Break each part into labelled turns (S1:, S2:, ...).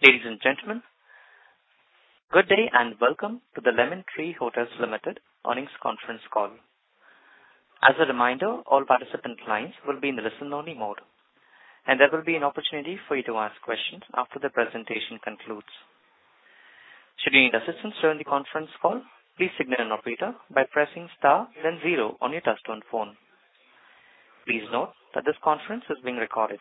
S1: Ladies and gentlemen, good day. Welcome to the Lemon Tree Hotels Limited Earnings Conference Call. As a reminder, all participant lines will be in listen-only mode, and there will be an opportunity for you to ask questions after the presentation concludes. Should you need assistance during the conference call, please signal an operator by pressing star then zero on your touchtone phone. Please note that this conference is being recorded.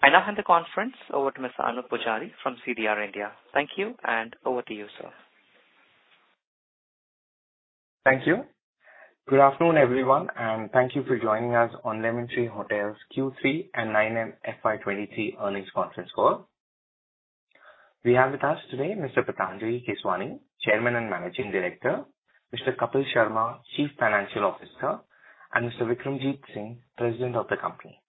S1: I now hand the conference over to Mr. Anoop Pujari from CDR India. Thank you. Over to you, sir.
S2: Thank you. Good afternoon, everyone, thank you for joining us on Lemon Tree Hotels Q3 and 9M FY 2023 earnings conference call. We have with us today Mr. Patanjali Keswani, Chairman and Managing Director, Mr. Kapil Sharma, Chief Financial Officer, and Mr. Vikramjit Singh, President of the company.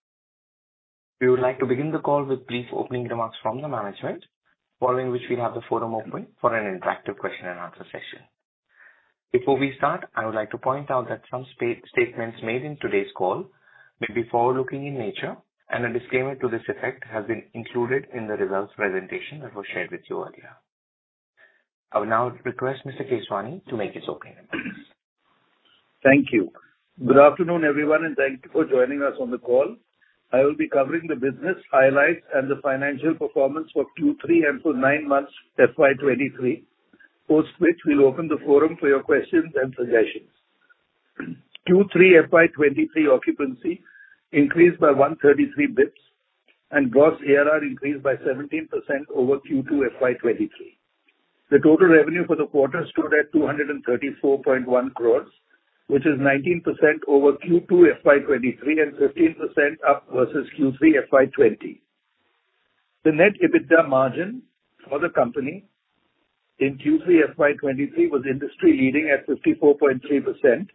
S2: We would like to begin the call with brief opening remarks from the management, following which we'll have the forum open for an interactive question and answer session. Before we start, I would like to point out that some statements made in today's call may be forward-looking in nature and a disclaimer to this effect has been included in the results presentation that was shared with you earlier. I will now request Mr. Keswani to make his opening remarks.
S3: Thank you. Good afternoon, everyone, and thank you for joining us on the call. I will be covering the business highlights and the financial performance for Q3 and for 9 months FY2023, post which we'll open the forum for your questions and suggestions. Q3 FY2023 occupancy increased by 133 bps and gross ARR increased by 17% over Q2 FY2023. The total revenue for the quarter stood at 234.1 crores, which is 19% over Q2 FY2023 and 15% up versus Q3 FY2020. The net EBITDA margin for the company in Q3 FY2023 was industry-leading at 54.3%,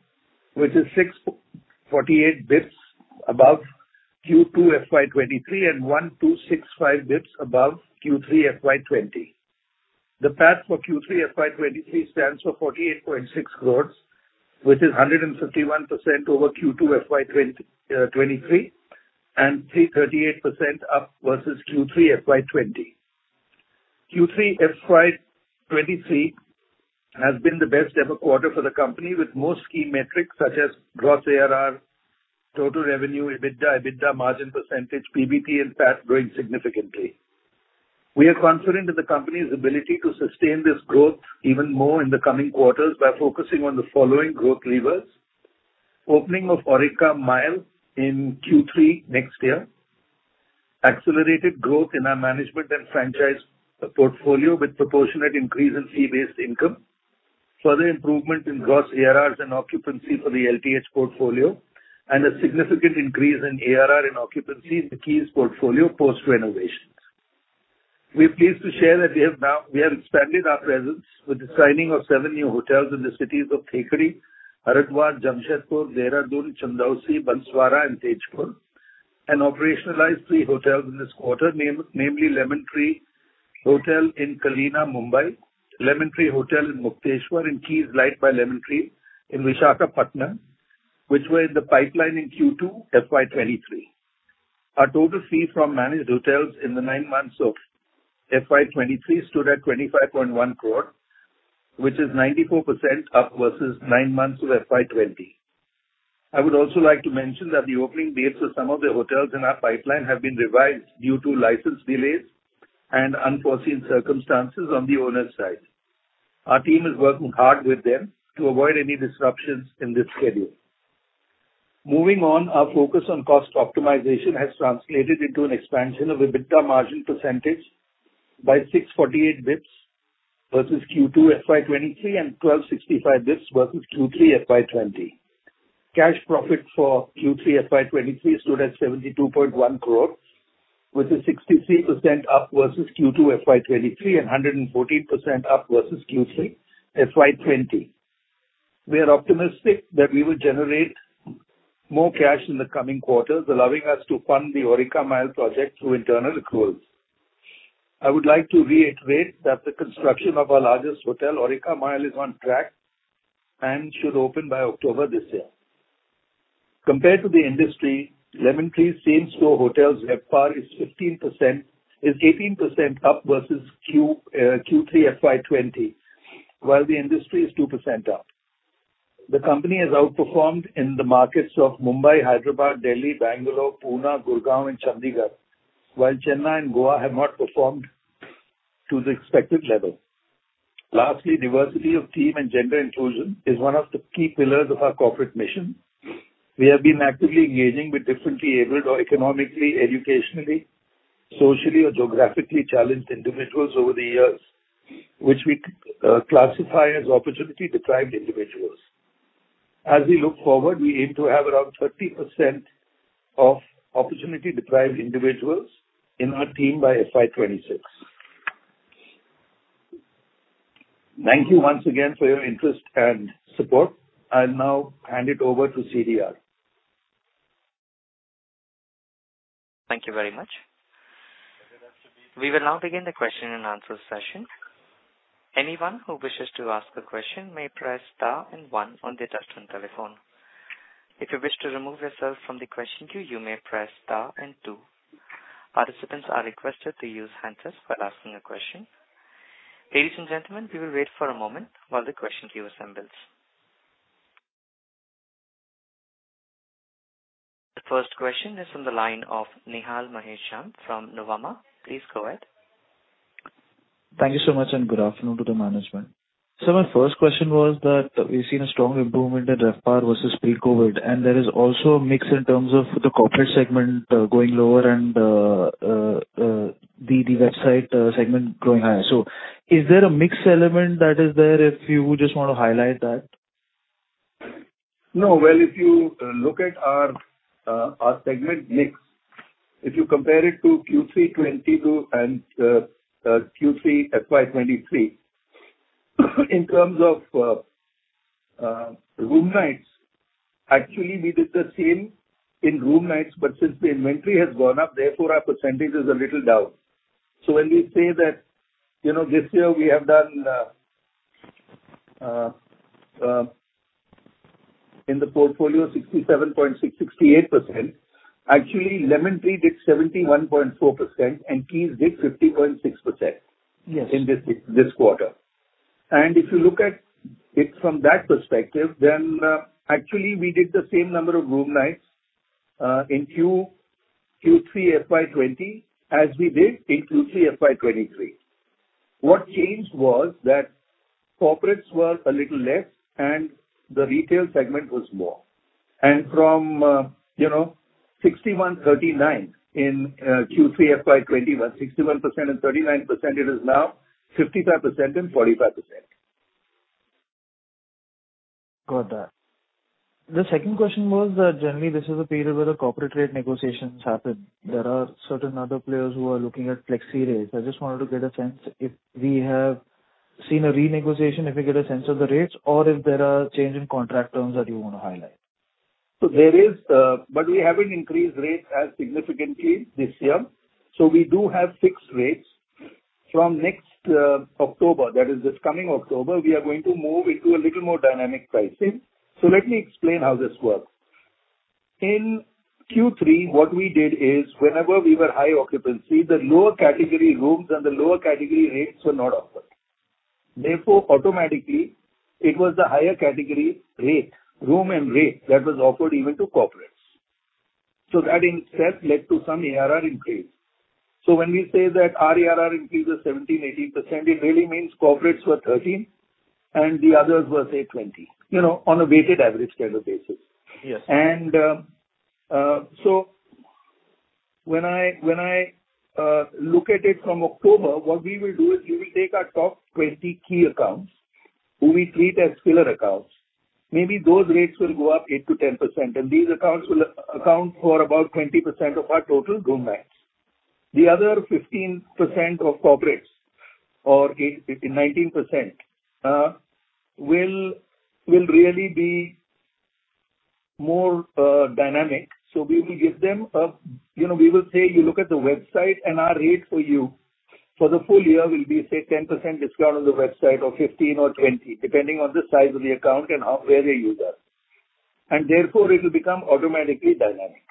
S3: which is 6.48 bps above Q2 FY2023 and 1,265 bps above Q3 FY2020. The PAT for Q3 FY23 stands for 48.6 crores, which is 151% over Q2 FY23 and 338% up versus Q3 FY20. Q3 FY23 has been the best ever quarter for the company with more key metrics such as gross ARR, total revenue, EBITDA margin %, PBT, and PAT growing significantly. We are confident in the company's ability to sustain this growth even more in the coming quarters by focusing on the following growth levers: opening of Aurika Mumbai in Q3 next year, accelerated growth in our management and franchise portfolio with proportionate increase in fee-based income, further improvement in gross ARRs and occupancy for the LTS portfolio, and a significant increase in ARR and occupancy in the Keys portfolio post-renovations. We are pleased to share that we have expanded our presence with the signing of seven new hotels in the cities of Thekkady, Haridwar, Jamshedpur, Dehradun, Chandausi, Banswara, and Tezpur Moving on, our focus on cost optimization has translated into an expansion of EBITDA margin percentage by 648 bps versus Q2 FY23 and 1,265 bps versus Q3 FY20. Cash profit for Q3 FY23 stood at 72.1 crores, which is 63% up versus Q2 FY23 and 114% up versus Q3 FY20. We are optimistic that we will generate more cash in the coming quarters, allowing us to fund the Aurika Mumbai project through internal accruals. I would like to reiterate that the construction of our largest hotel, Aurika Mumbai, is on track and should open by October this year. Compared to the industry, Lemon Tree's same store hotels RevPAR is 18% up versus Q3 FY20, while the industry is 2% up. The company has outperformed in the markets of Mumbai, Hyderabad, Delhi, Bangalore, Pune, Gurgaon, and Chandigarh, while Chennai and Goa have not performed to the expected level. Lastly, diversity of team and gender inclusion is one of the key pillars of our corporate mission. We have been actively engaging with differently abled or economically, educationally, socially, or geographically challenged individuals over the years, which we classify as opportunity-deprived individuals. As we look forward, we aim to have around 30% of opportunity-deprived individuals in our team by FY 2026. Thank you once again for your interest and support. I'll now hand it over to CDR.
S1: Thank you very much. We will now begin the question and answer session. Anyone who wishes to ask a question may press star and one on their touchtone telephone. If you wish to remove yourself from the question queue, you may press star and two. Participants are requested to use handsets for asking a question. Ladies and gentlemen, we will wait for a moment while the question queue assembles. The first question is from the line of Nihal Jham from Nuvama. Please go ahead.
S4: Thank you so much. Good afternoon to the management. My first question was that we've seen a strong improvement in RevPAR versus pre-COVID, and there is also a mix in terms of the corporate segment, going lower and the website segment growing higher. Is there a mixed element that is there, if you just wanna highlight that?
S3: No. Well, if you look at our our segment mix, if you compare it to Q3 2022 and Q3 FY 2023 in terms of room nights, actually we did the same in room nights. Since the inventory has gone up, therefore our percentage is a little down. When we say that, you know, this year we have done in the portfolio 68%, actually Lemon Tree did 71.4% and Keys did 50.6%.
S4: Yes.
S3: -in this quarter. If you look at it from that perspective, then, actually we did the same number of room nights in Q3 FY2020 as we did in Q3 FY2023. What changed was that corporates were a little less and the retail segment was more. From, you know, 61-39 in Q3 FY2021, 61% and 39%, it is now 55% and 45%.
S4: Got that. The second question was that generally this is a period where the corporate rate negotiations happen. There are certain other players who are looking at flexi rates. I just wanted to get a sense if we have seen a renegotiation, if we get a sense of the rates or if there are change in contract terms that you wanna highlight?
S3: There is, but we haven't increased rates as significantly this year. We do have fixed rates. From next October, that is this coming October, we are going to move into a little more dynamic pricing. Let me explain how this works. In Q3, what we did is whenever we were high occupancy, the lower category rooms and the lower category rates were not offered. Therefore, automatically it was the higher category rate, room and rate that was offered even to corporates. That instead led to some ARR increase. When we say that our ARR increase is 17%-18%, it really means corporates were 13 and the others were, say, 20, you know, on a weighted average kind of basis.
S4: Yes.
S3: When I look at it from October, what we will do is we will take our top 20 key accounts who we treat as pillar accounts. Maybe those rates will go up 8%-10%, and these accounts will account for about 20% of our total room nights. The other 15% of corporates or 15%, 19% will really be more dynamic. We will give them You know, we will say you look at the website and our rate for you for the full year will be, say, 10% discount on the website or 15% or 20%, depending on the size of the account and how rarely you use us. Therefore it'll become automatically dynamic.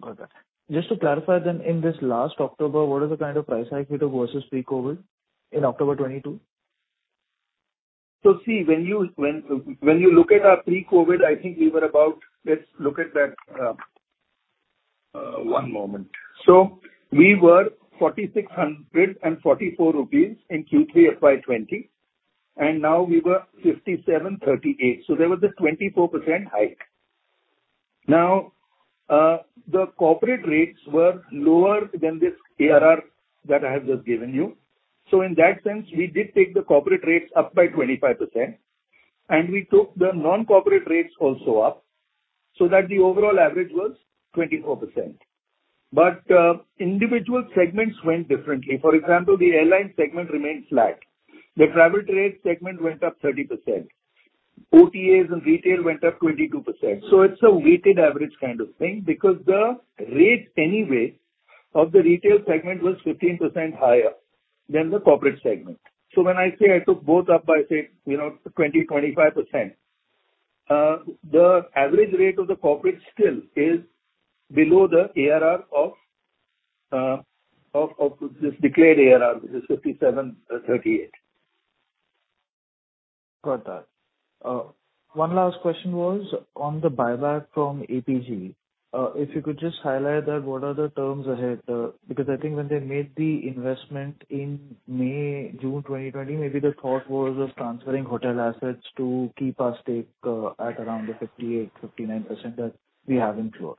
S4: Got that. Just to clarify then, in this last October, what is the kind of price hike rate of versus pre-COVID, in October 2022?
S3: See, when you, when you look at our pre-COVID, I think we were about... Let's look at that, one moment. We were 4,644 rupees in Q3 FY20, and now we were 5,738, so there was a 24% hike. Now, the corporate rates were lower than this ARR that I have just given you. In that sense, we did take the corporate rates up by 25%, and we took the non-corporate rates also up so that the overall average was 24%. Individual segments went differently. For example, the airline segment remained flat. The travel trade segment went up 30%. OTAs and retail went up 22%. It's a weighted average kind of thing because the rate anyway of the retail segment was 15% higher than the corporate segment. When I say I took both up by, say, you know, 20%-25%, the average rate of the corporate still is below the ARR of this declared ARR, which is 5,738.
S4: Got that. One last question was on the buyback from APG. If you could just highlight that, what are the terms ahead? I think when they made the investment in May, June 2020, maybe the thought was of transferring hotel assets to keep our stake, at around the 58%-59% that we have in Fleur.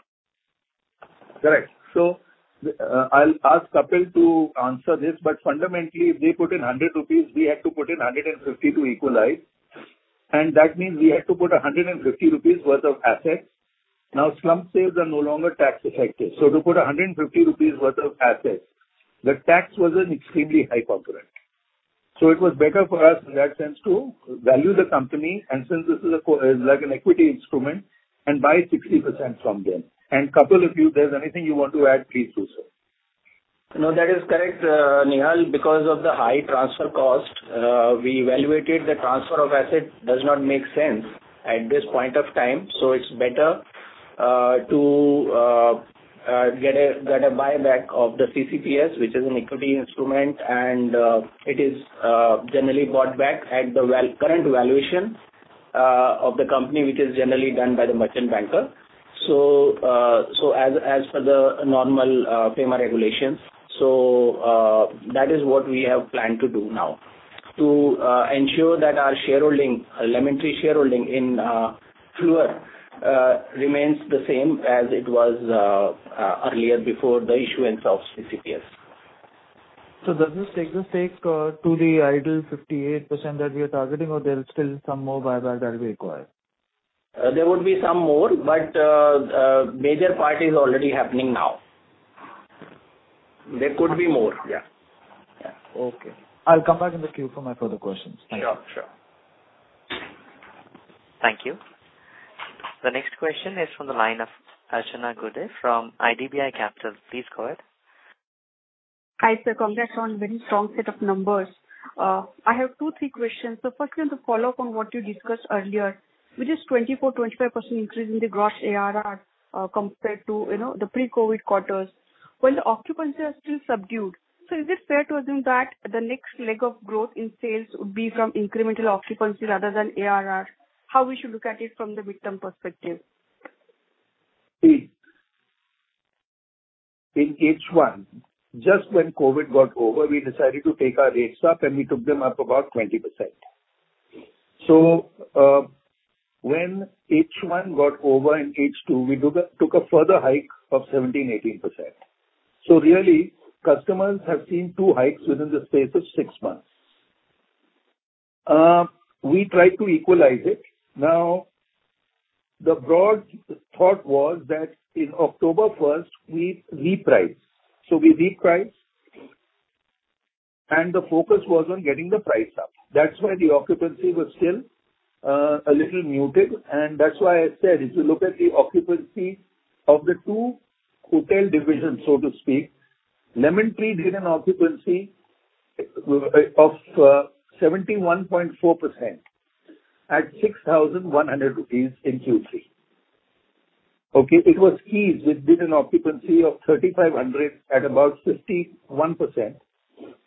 S3: Correct. I'll ask Kapil to answer this, but fundamentally, if they put in 100 rupees, we had to put in 150 to equalize, and that means we had to put 150 rupees worth of assets. slump sales are no longer tax effective. To put 150 rupees worth of assets, the tax was an extremely high component. It was better for us in that sense to value the company and since this is like an equity instrument and buy 60% from them. Kapil, if you, there's anything you want to add, please do so.
S5: No, that is correct, Nihal. Because of the high transfer cost, we evaluated the transfer of asset does not make sense at this point of time. It's better to get a buyback of the CCPS, which is an equity instrument. It is generally bought back at the current valuation of the company, which is generally done by the merchant banker. As for the normal payment regulations. That is what we have planned to do now to ensure that our shareholding, Lemon Tree shareholding in Fleur, remains the same as it was earlier before the issuance of CCPS.
S4: Does this take the stake to the ideal 58% that we are targeting or there is still some more buyback that will be required?
S5: There would be some more, but major part is already happening now.
S3: There could be more. Yeah.
S5: Yeah.
S4: Okay. I'll come back in the queue for my further questions. Thank you.
S5: Yeah, sure.
S1: Thank you. The next question is from the line of Archana Gude from IDBI Capital. Please go ahead.
S6: Hi, sir. Congrats on very strong set of numbers. I have two, three questions. Firstly, on the follow-up on what you discussed earlier, which is 24%-25% increase in the gross ARR, compared to, you know, the pre-COVID quarters. When the occupancy are still subdued, is it fair to assume that the next leg of growth in sales would be from incremental occupancy rather than ARR? How we should look at it from the midterm perspective?
S3: In H1, just when COVID got over, we decided to take our rates up, and we took them up about 20%. When H1 got over in H2, we took a further hike of 17%-18%. Really, customers have seen two hikes within the space of 6 months. We tried to equalize it. Now, the broad thought was that in October first we reprice. We repriced, and the focus was on getting the price up. That's why the occupancy was still a little muted. That's why I said if you look at the occupancy of the two hotel divisions, so to speak, Lemon Tree did an occupancy of 71.4% at 6,100 rupees in Q3. Okay. It was Keys which did an occupancy of 3,500 at about 61%,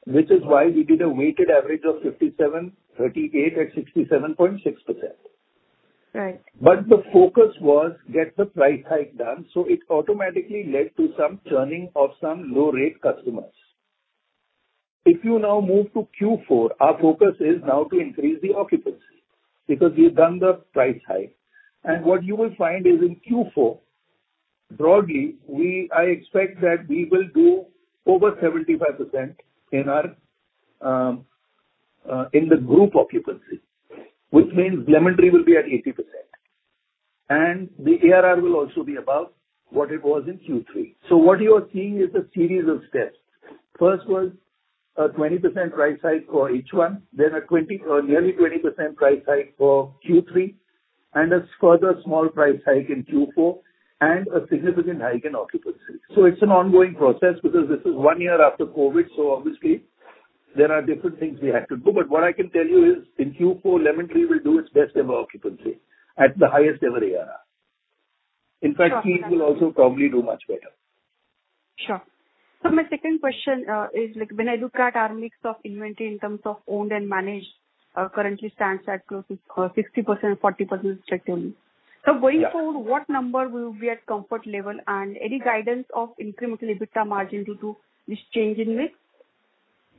S3: which is why we did a weighted average of 57, 38 at 67.6%.
S6: Right.
S3: The focus was get the price hike done, so it automatically led to some churning of some low rate customers. If you now move to Q4, our focus is now to increase the occupancy because we've done the price hike. What you will find is in Q4, broadly, I expect that we will do over 75% in our in the group occupancy, which means Lemon Tree will be at 80%. The ARR will also be above what it was in Q3. What you are seeing is a series of steps. First was a 20% price hike for H1, then a nearly 20% price hike for Q3, and a further small price hike in Q4, and a significant hike in occupancy. It's an ongoing process because this is one year after COVID, so obviously there are different things we have to do. What I can tell you is in Q4, Lemon Tree will do its best ever occupancy at the highest ever ARR.
S6: Sure.
S3: Keys will also probably do much better.
S6: Sure. My second question is like when I look at our mix of inventory in terms of owned and managed, currently stands at close to 60%, 40% check-in.
S3: Yeah.
S6: Going forward, what number will be at comfort level and any guidance of incremental EBITDA margin due to this change in mix?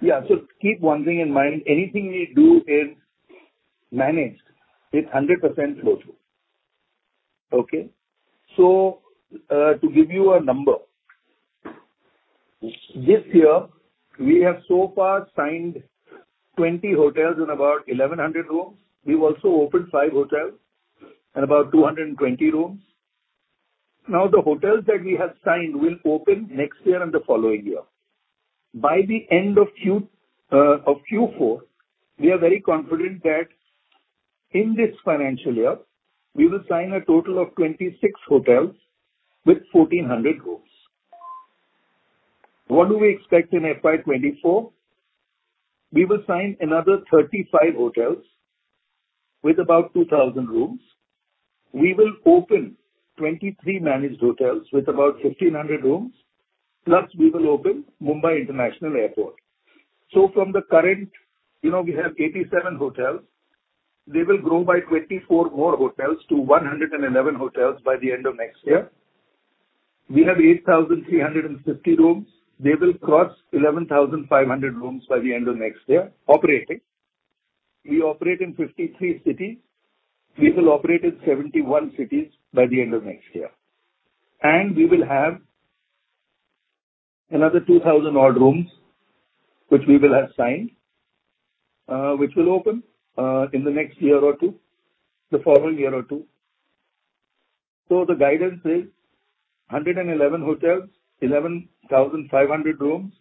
S3: Keep one thing in mind. Anything we do is managed. It's 100% close loop. Okay? To give you a number, this year we have so far signed 20 hotels and about 1,100 rooms. We've also opened 5 hotels and about 220 rooms. The hotels that we have signed will open next year and the following year. By the end of Q4, we are very confident that in this financial year we will sign a total of 26 hotels with 1,400 rooms. What do we expect in FY 2024? We will sign another 35 hotels with about 2,000 rooms. We will open 23 managed hotels with about 1,500 rooms, plus we will open Mumbai International Airport. From the current, you know, we have 87 hotels. They will grow by 24 more hotels to 111 hotels by the end of next year. We have 8,350 rooms. They will cross 11,500 rooms by the end of next year operating. We operate in 53 cities. We will operate in 71 cities by the end of next year. We will have another 2,000 odd rooms which we will have signed, which will open in the next year or two, the following year or two. The guidance is 111 hotels, 11,500 rooms,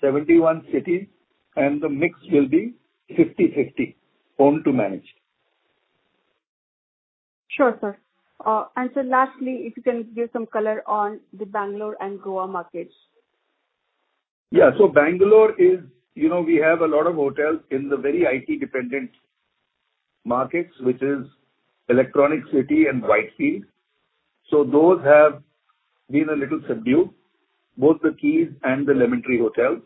S3: 71 cities, and the mix will be 50/50 owned to managed.
S7: Sure, sir. Lastly, if you can give some color on the Bangalore and Goa markets.
S3: Yeah. Bangalore is, you know, we have a lot of hotels in the very IT-dependent markets, which is Electronic City and Whitefield. Those have been a little subdued, both the Keys and the Lemon Tree Hotels.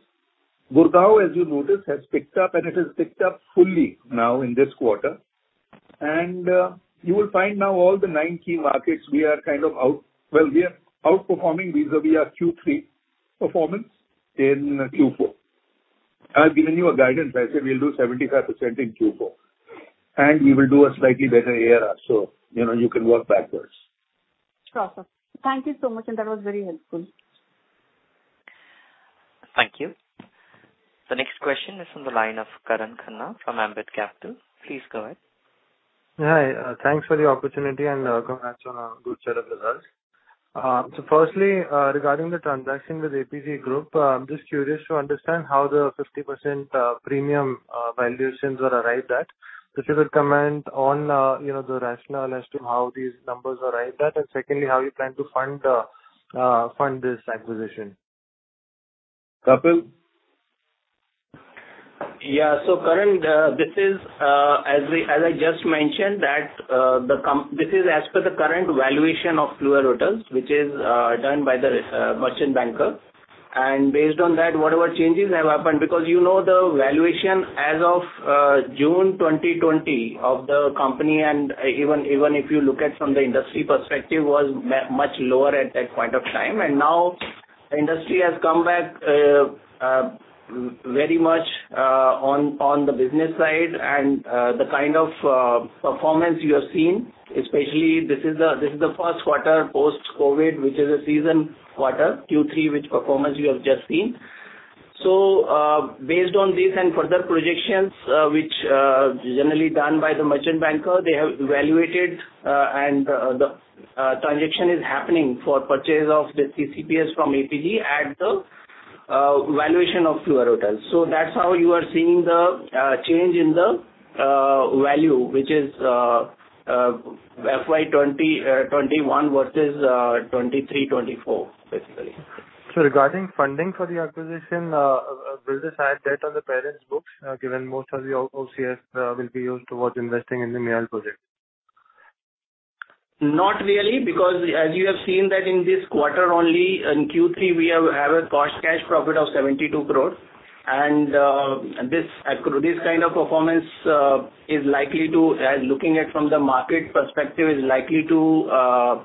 S3: Gurgaon, as you noticed, has picked up, and it has picked up fully now in this quarter. You will find now all the nine key markets we are outperforming vis-a-vis our Q3 performance in Q4. I've given you a guidance. I said we'll do 75% in Q4. We will do a slightly better ARR, so you know, you can work backwards.
S7: Sure, sir. Thank you so much. That was very helpful.
S1: Thank you. The next question is from the line of Karan Khanna from Ambit Capital. Please go ahead.
S8: Hi, thanks for the opportunity and congrats on a good set of results. Firstly, regarding the transaction with APG Group, I'm just curious to understand how the 50% premium valuations were arrived at. If you would comment on, you know, the rationale as to how these numbers arrived at. Secondly, how are you planning to fund this acquisition?
S3: Kapil?
S5: Yeah. Karan, this is as we, as I just mentioned that, this is as per the current valuation of Fleur Hotels, which is done by the merchant banker. Based on that, whatever changes have happened. Because, you know, the valuation as of June 2020 of the company, even if you look at from the industry perspective, was much lower at that point of time. Now industry has come back very much on the business side. The kind of performance you have seen, especially this is the first quarter post-COVID, which is a season quarter, Q3, which performance you have just seen. Based on this and further projections, which generally done by the merchant banker, they have evaluated, and the, transaction is happening for purchase of the CCPS from APG at the valuation of Fleur Hotels. That's how you are seeing the change in the value, which is FY 2021 versus 2023-2024, basically.
S8: Regarding funding for the acquisition, will this add debt on the parents' books, given most of the OCF will be used towards investing in the Mial project?
S5: Not really, because as you have seen that in this quarter only, in Q3 we have a gross cash profit of 72 crores. This kind of performance is likely to, looking at from the market perspective, is likely to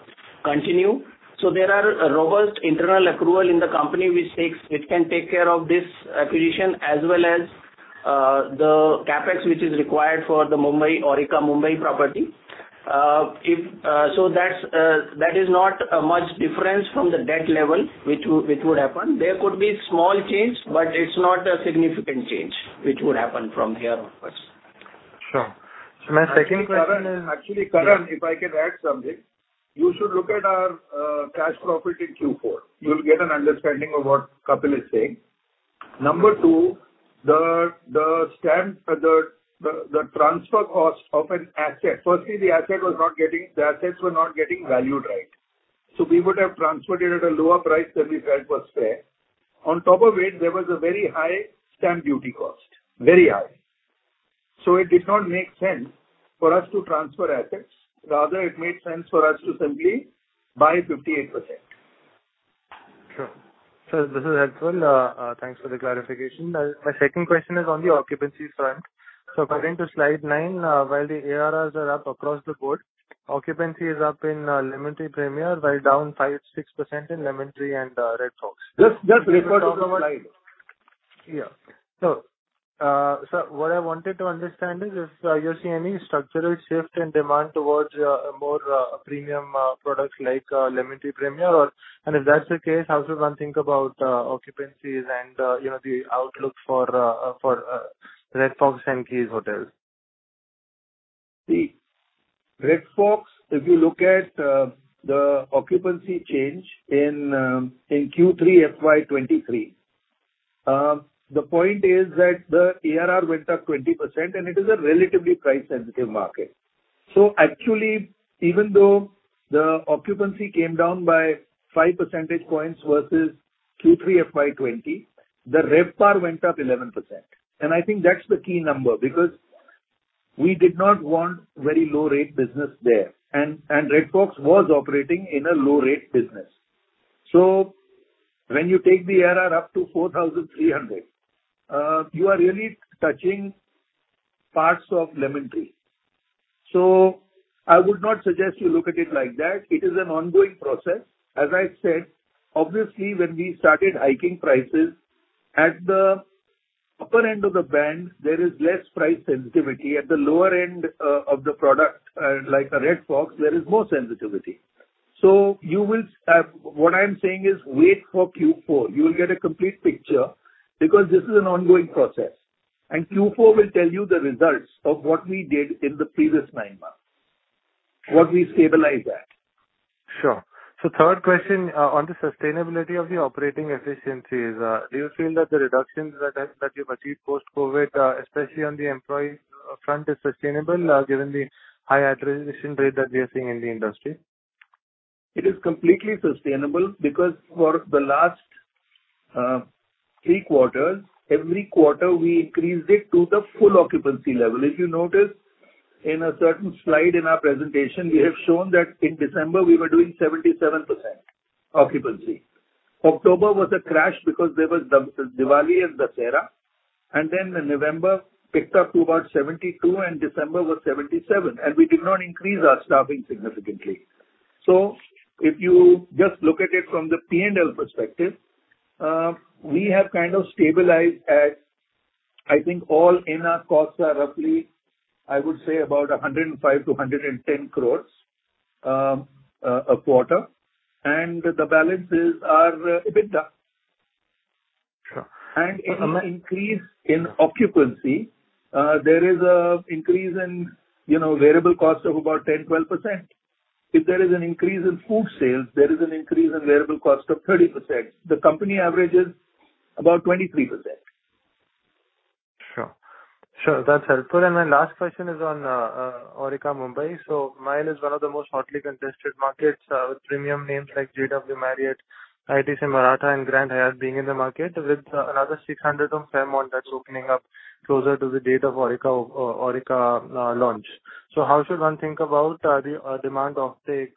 S5: continue. There are a robust internal accrual in the company which can take care of this acquisition as well as the CapEx which is required for the Aurika Mumbai property. If so that is not a much difference from the debt level which would happen. There could be small change, but it's not a significant change which would happen from here onwards.
S8: Sure. My second question is.
S3: Actually, Karan, if I can add something. You should look at our cash profit in Q4. You'll get an understanding of what Kapil is saying. Number two, the stamp, the transfer cost of an asset. Firstly, the assets were not getting valued right. We would have transferred it at a lower price than we felt was fair. On top of it, there was a very high stamp duty cost. Very high. It did not make sense for us to transfer assets. Rather, it made sense for us to simply buy 58%.
S8: Sure. This is helpful. Thanks for the clarification. My second question is on the occupancy front. According to slide 9, while the ARRs are up across the board, occupancy is up in Lemon Tree Premier while down 5-6% in Lemon Tree and Red Fox.
S3: Just refer to the slide.
S8: Yeah. What I wanted to understand is if you're seeing any structural shift in demand towards more premium products like Lemon Tree Premier or. If that's the case, how does one think about occupancies and, you know, the outlook for Red Fox and Keys hotels?
S3: Red Fox, if you look at the occupancy change in Q3 FY2023, the point is that the ARR went up 20% and it is a relatively price-sensitive market. Even though the occupancy came down by 5 percentage points versus Q3 FY2020, the RevPAR went up 11%. That's the key number because we did not want very low rate business there. Red Fox was operating in a low rate business. When you take the ARR up to 4,300, you are really touching parts of Lemon Tree. I would not suggest you look at it like that. It is an ongoing process. As I said, obviously, when we started hiking prices at the upper end of the band there is less price sensitivity. At the lower end, of the product, like a Red Fox, there is more sensitivity. You will, what I'm saying is wait for Q4. You will get a complete picture because this is an ongoing process. Q4 will tell you the results of what we did in the previous nine months, what we stabilized at.
S8: Sure. Third question on the sustainability of the operating efficiencies. Do you feel that the reductions that you've achieved post-COVID, especially on the employee front, is sustainable given the high attrition rate that we are seeing in the industry?
S3: It is completely sustainable because for the last 3 quarters, every quarter we increased it to the full occupancy level. If you notice in a certain slide in our presentation, we have shown that in December we were doing 77% occupancy. October was a crash because there was Diwali and Dussehra. In November picked up to about 72, and December was 77, and we did not increase our staffing significantly. If you just look at it from the P&L perspective, we have kind of stabilized at. I think all in our costs are roughly, I would say about 105-110 crores a quarter, and the balances are a bit down.
S8: Sure.
S3: In increase in occupancy, there is a increase in variable cost of about 10-12%. If there is an increase in food sales, there is an increase in variable cost of 30%. The company average is about 23%.
S8: Sure. Sure. That's helpful. My last question is on Aurika, Mumbai. Mumbai is one of the most hotly contested markets with premium names like JW Marriott, ITC Maratha, and Grand Hyatt being in the market with another 600 on Fairmont that's opening up closer to the date of Aurika launch. How should one think about the demand offtake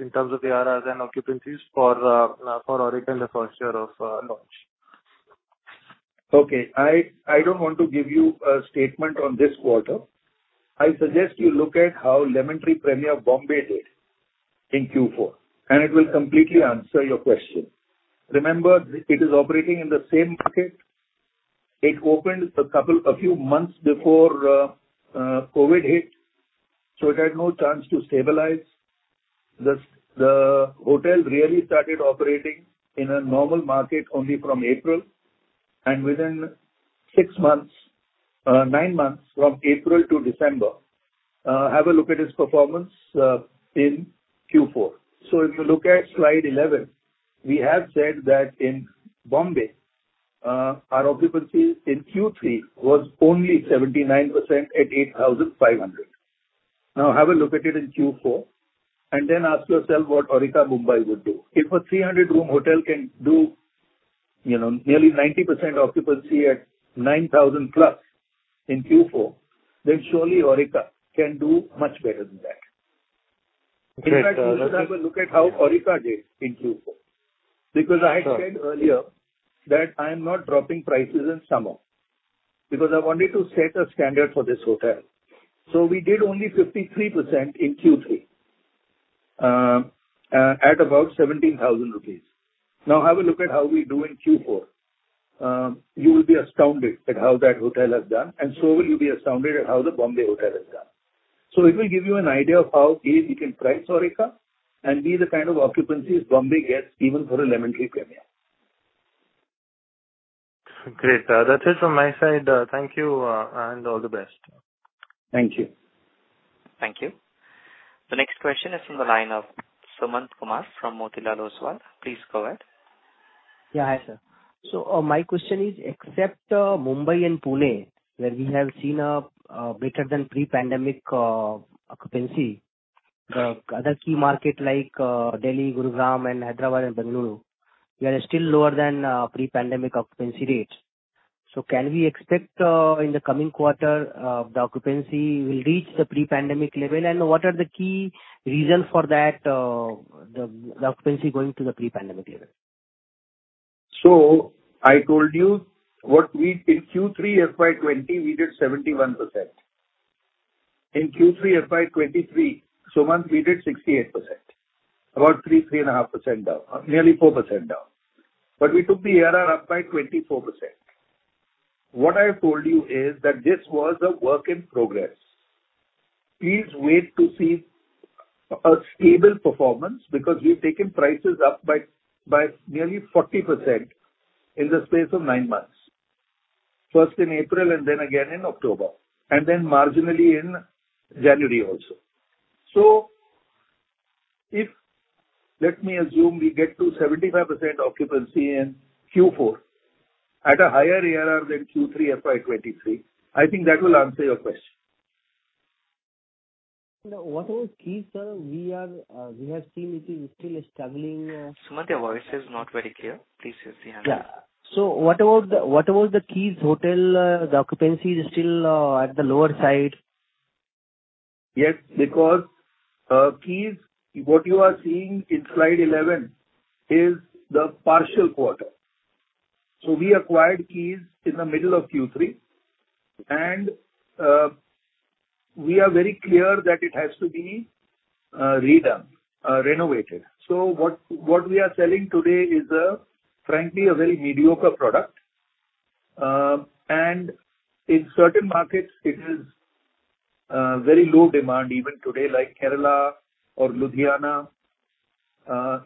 S8: in terms of the ARR as in occupancies for Aurika in the first year of launch?
S3: Okay. I don't want to give you a statement on this quarter. I suggest you look at how Lemon Tree Premier Bombay did in Q4. It will completely answer your question. Remember, it is operating in the same market. It opened a couple, a few months before COVID hit, so it had no chance to stabilize. The hotel really started operating in a normal market only from April, and within six months, nine months, from April to December, have a look at its performance in Q4. If you look at slide 11, we have said that in Bombay, our occupancy in Q3 was only 79% at 8,500. Have a look at it in Q4 and then ask yourself what Aurika Mumbai would do. If a 300-room hotel can do, you know, nearly 90% occupancy at 9,000 plus in Q4, then surely Aurika can do much better than that.
S8: Great.
S3: In fact you should have a look at how Aurika did in Q4.
S8: Sure.
S3: Because I had said earlier that I'm not dropping prices in summer because I wanted to set a standard for this hotel. We did only 53% in Q3, at about 17,000 rupees. Now have a look at how we do in Q4. You will be astounded at how that hotel has done and will you be astounded at how the Bombay hotel has done. It will give you an idea of how we can price Aurika and be the kind of occupancies Bombay gets even for a Lemon Tree Premier.
S8: Great. That's it from my side. Thank you. All the best.
S3: Thank you.
S1: Thank you. The next question is from the line of Sumant Kumar from Motilal Oswal. Please go ahead.
S9: Yeah, hi sir. My question is, except Mumbai and Pune, where we have seen a better than pre-pandemic occupancy, the other key market like Delhi, Gurugram and Hyderabad and Bengaluru, we are still lower than pre-pandemic occupancy rates. Can we expect in the coming quarter, the occupancy will reach the pre-pandemic level? What are the key reasons for that, the occupancy going to the pre-pandemic level?
S3: I told you. In Q3 FY20 we did 71%. In Q3 FY23, Sumant, we did 68%. 3.5% down. Nearly 4% down. We took the ARR up by 24%. What I have told you is that this was a work in progress. Please wait to see a stable performance because we've taken prices up by nearly 40% in the space of nine months. First in April and then again in October, and then marginally in January also. If, let me assume, we get to 75% occupancy in Q4 at a higher ARR than Q3 FY23, I think that will answer your question.
S9: Now what about Keys, sir? We are, we have seen it is still struggling.
S1: Sumant, your voice is not very clear. Please just.
S9: Yeah. What about the, what about the Keys Hotel? The occupancy is still at the lower side.
S3: Keys, what you are seeing in slide 11 is the partial quarter. We acquired Keys in the middle of Q3 and we are very clear that it has to be redone, renovated. What we are selling today is a, frankly, a very mediocre product. In certain markets it is very low demand even today, like Kerala or Ludhiana.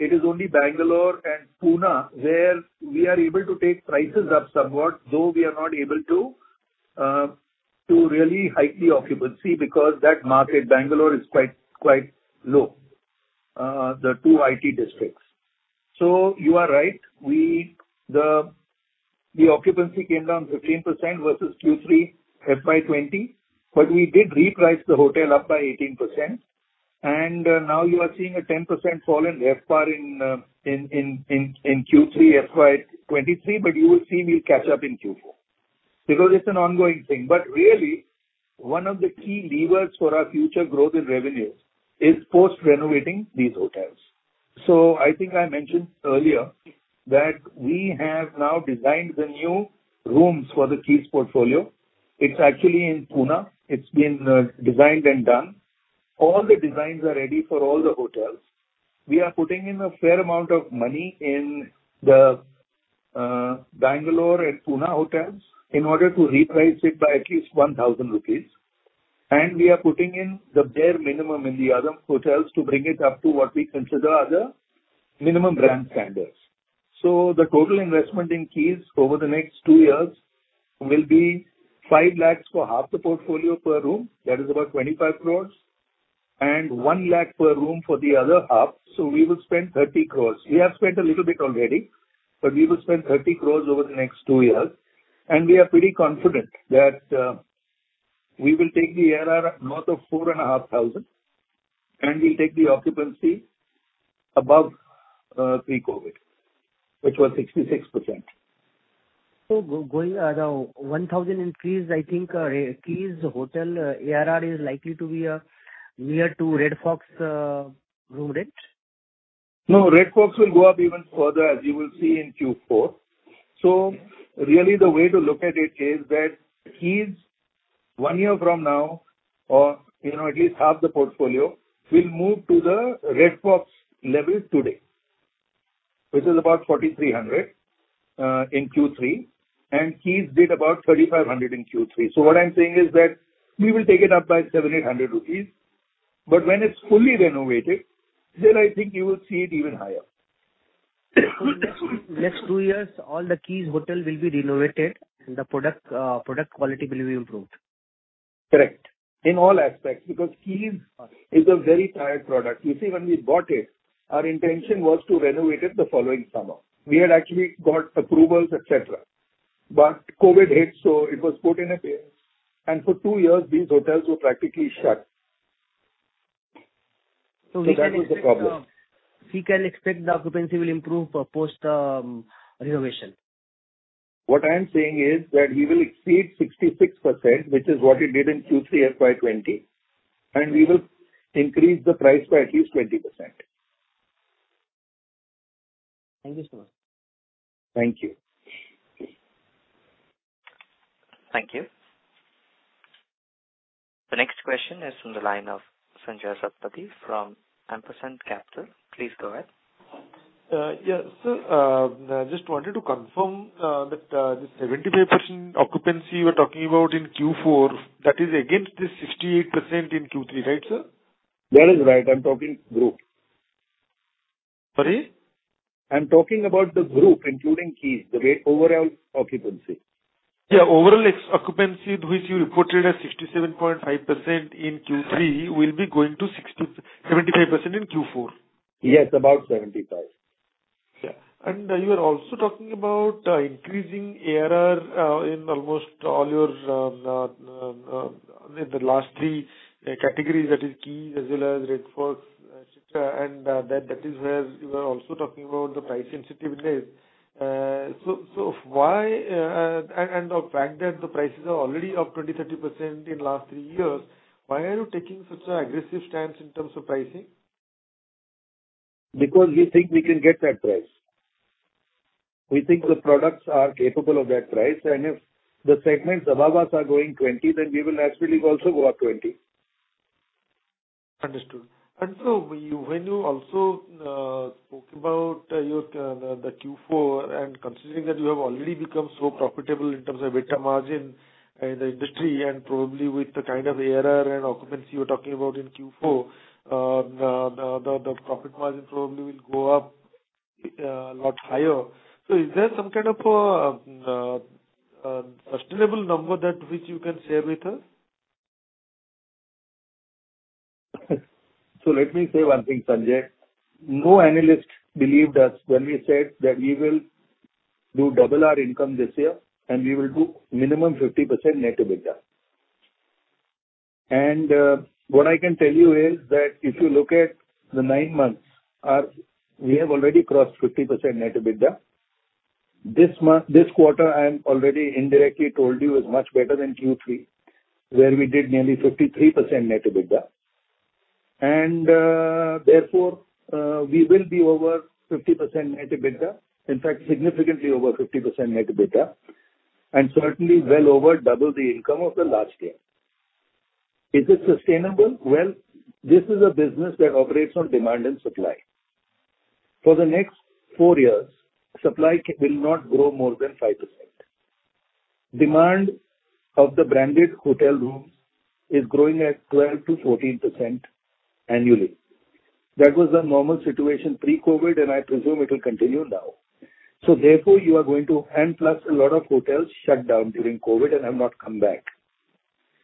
S3: It is only Bangalore and Pune where we are able to take prices up somewhat, though we are not able to really hike the occupancy because that market, Bangalore is quite low, the 2 IT districts. You are right. The occupancy came down 15% versus Q3 FY 20, we did reprice the hotel up by 18%. Now you are seeing a 10% fall in RevPAR in Q3 FY23, you will see me catch up in Q4 because it's an ongoing thing. Really, one of the key levers for our future growth in revenue is post renovating these hotels. I think I mentioned earlier that we have now designed the new rooms for the Keys portfolio. It's actually in Pune. It's been designed and done. All the designs are ready for all the hotels. We are putting in a fair amount of money in the Bangalore and Pune hotels in order to reprice it by at least 1,000 rupees. We are putting in the bare minimum in the other hotels to bring it up to what we consider are the minimum brand standards. The total investment in Keys over the next two years will be 5 lakhs for half the portfolio per room. That is about 25 crores and 1 lakh per room for the other half. We will spend 30 crores. We have spent a little bit already, but we will spend 30 crores over the next 2 years, and we are pretty confident that we will take the ARR north of 4,500, and we'll take the occupancy above pre-COVID, which was 66%.
S9: going around 1,000 in Keys, I think, Keys hotel, ARR is likely to be, near to Red Fox, room rates.
S3: Red Fox will go up even further, as you will see in Q4. Really the way to look at it is that Keys one year from now, or, you know, at least half the portfolio, will move to the Red Fox levels today, which is about 4,300 in Q3. Keys did about 3,500 in Q3. What I'm saying is that we will take it up by 700-800 rupees, but when it's fully renovated, then I think you will see it even higher.
S9: Next two years, all the Keys hotel will be renovated and the product quality will be improved.
S3: Correct. In all aspects, because Keys is a very tired product. You see, when we bought it, our intention was to renovate it the following summer. We had actually got approvals, et cetera. COVID hit, so it was put in a... For two years, these hotels were practically shut.
S9: We can expect.
S3: That was the problem.
S9: We can expect the occupancy will improve, post renovation.
S3: What I am saying is that we will exceed 66%, which is what it did in Q3 FY20, and we will increase the price by at least 20%.
S9: Thank you so much.
S3: Thank you.
S1: Thank you. The next question is from the line of Sanjaya Satapathy from Ampersand Capital. Please go ahead.
S10: Yeah. just wanted to confirm, that, the 75% occupancy you were talking about in Q4, that is against the 68% in Q3, right, sir?
S3: That is right. I'm talking group.
S10: Sorry?
S3: I'm talking about the group, including Keys, overall occupancy.
S10: Overall ex-occupancy, which you reported as 67.5% in Q3, will be going to 75% in Q4.
S3: Yes, about 75.
S10: Yeah. You are also talking about increasing ARR in almost all your the last 3 categories that is Keys as well as Red Fox et cetera. That is where you are also talking about the price sensitivity. Why and the fact that the prices are already up 20%, 30% in last 3 years, why are you taking such an aggressive stance in terms of pricing?
S3: Because we think we can get that price. We think the products are capable of that price. If the segment RevPARs are going 20%, then we will naturally also go up 20%.
S10: Understood. When you also talk about your Q4 and considering that you have already become so profitable in terms of EBITDA margin in the industry and probably with the kind of ARR and occupancy you're talking about in Q4, the profit margin probably will go up a lot higher. Is there some kind of sustainable number that which you can share with us?
S3: Let me say one thing, Sanjay. No analyst believed us when we said that we will do double our income this year, and we will do minimum 50% net EBITDA. What I can tell you is that if you look at the nine months, we have already crossed 50% net EBITDA. This quarter, I have already indirectly told you, is much better than Q3, where we did nearly 53% net EBITDA. Therefore, we will be over 50% net EBITDA. In fact, significantly over 50% net EBITDA, and certainly well over double the income of the last year. Is it sustainable? Well, this is a business that operates on demand and supply. For the next four years, supply will not grow more than 5%. Demand of the branded hotel room is growing at 12%-14% annually. That was the normal situation pre-COVID, and I presume it will continue now. A lot of hotels shut down during COVID and have not come back.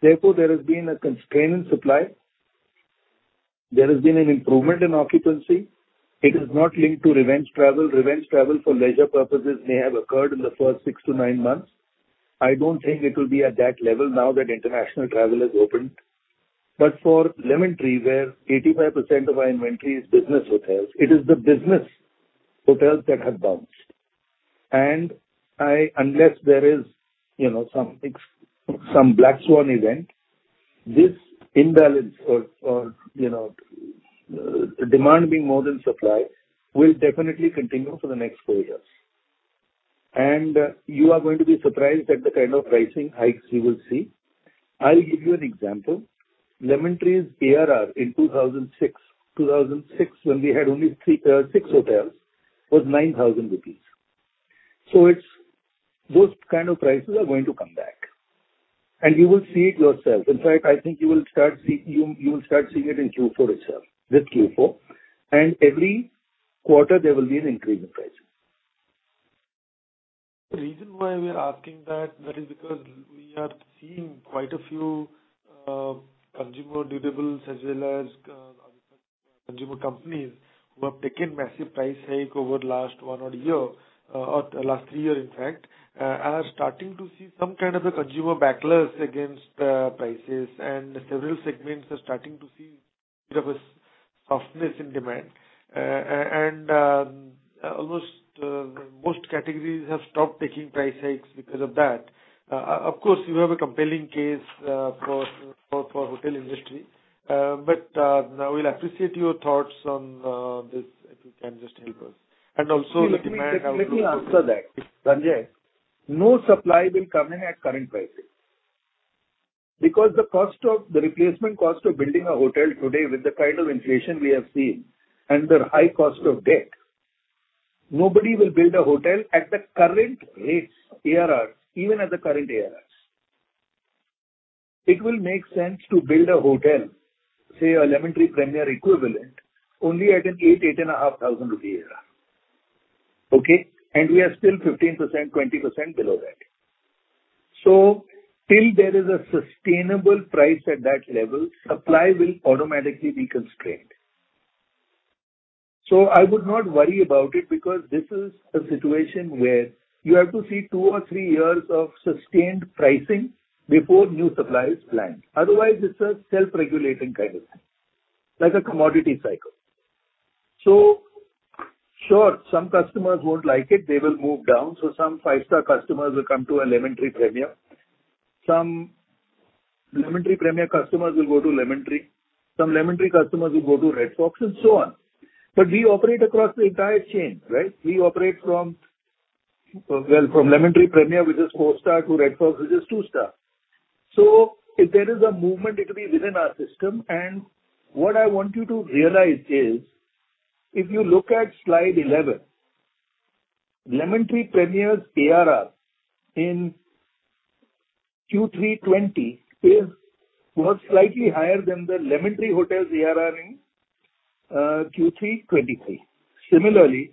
S3: Therefore, there has been a constraint in supply. There has been an improvement in occupancy. It is not linked to revenge travel. Revenge travel for leisure purposes may have occurred in the first six to nine months. I don't think it will be at that level now that international travel has opened. For Lemon Tree, where 85% of our inventory is business hotels, it is the business hotels that have bounced. Unless there is, you know, some black swan event, this imbalance or, you know, demand being more than supply will definitely continue for the next four years. You are going to be surprised at the kind of pricing hikes you will see. I'll give you an example. Lemon Tree's ARR in 2006, when we had only 6 hotels, was 9,000 rupees. Those kind of prices are going to come back. You will see it yourself. In fact, I think you will start seeing it in Q4 itself, this Q4. Every quarter there will be an increase in prices.
S10: The reason why we are asking that is because we are seeing quite a few consumer durables as well as other consumer companies who have taken massive price hike over the last 1 odd year, or the last three years in fact, are starting to see some kind of a consumer backlash against prices. Several segments are starting to see bit of a softness in demand. Almost most categories have stopped taking price hikes because of that. Of course, you have a compelling case for hotel industry. Now we'll appreciate your thoughts on this, if you can just help us. Also the demand have-
S3: Let me let me answer that.
S10: Okay.
S3: Sanjay, no supply will come in at current prices. The replacement cost of building a hotel today with the kind of inflation we have seen and the high cost of debt, nobody will build a hotel at the current rates, ARRs, even at the current ARRs. It will make sense to build a hotel, say a Lemon Tree Premier equivalent, only at an 8,500 ARR. Okay? We are still 15%, 20% below that. Till there is a sustainable price at that level, supply will automatically be constrained. I would not worry about it because this is a situation where you have to see two or three years of sustained pricing before new supply is planned. It's a self-regulating kind of thing, like a commodity cycle. Sure, some customers won't like it, they will move down. Some 5-star customers will come to a Lemon Tree Premier. Some Lemon Tree Premier customers will go to Lemon Tree. Some Lemon Tree customers will go to Red Fox and so on. We operate across the entire chain, right? We operate from, well, from Lemon Tree Premier, which is 4-star, to Red Fox, which is 2-star. If there is a movement, it will be within our system. What I want you to realize is, if you look at slide 11, Lemon Tree Premier's ARR in Q3 '20 was slightly higher than the Lemon Tree Hotel's ARR in Q3 '23. Similarly,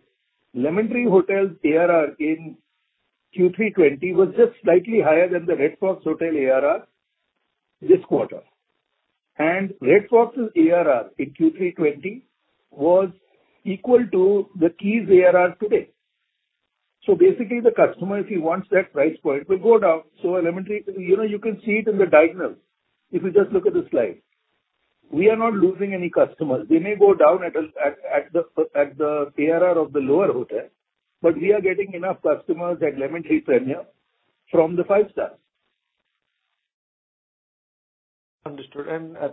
S3: Lemon Tree Hotel's ARR in Q3 '20 was just slightly higher than the Red Fox Hotel ARR this quarter. Red Fox's ARR in Q3 2020 was equal to the Keys ARR today. Basically the customer, if he wants that price point, will go down. Lemon Tree. You know, you can see it in the diagonal if you just look at the slide. We are not losing any customers. They may go down at the ARR of the lower hotel, but we are getting enough customers at Lemon Tree Premier from the five-star.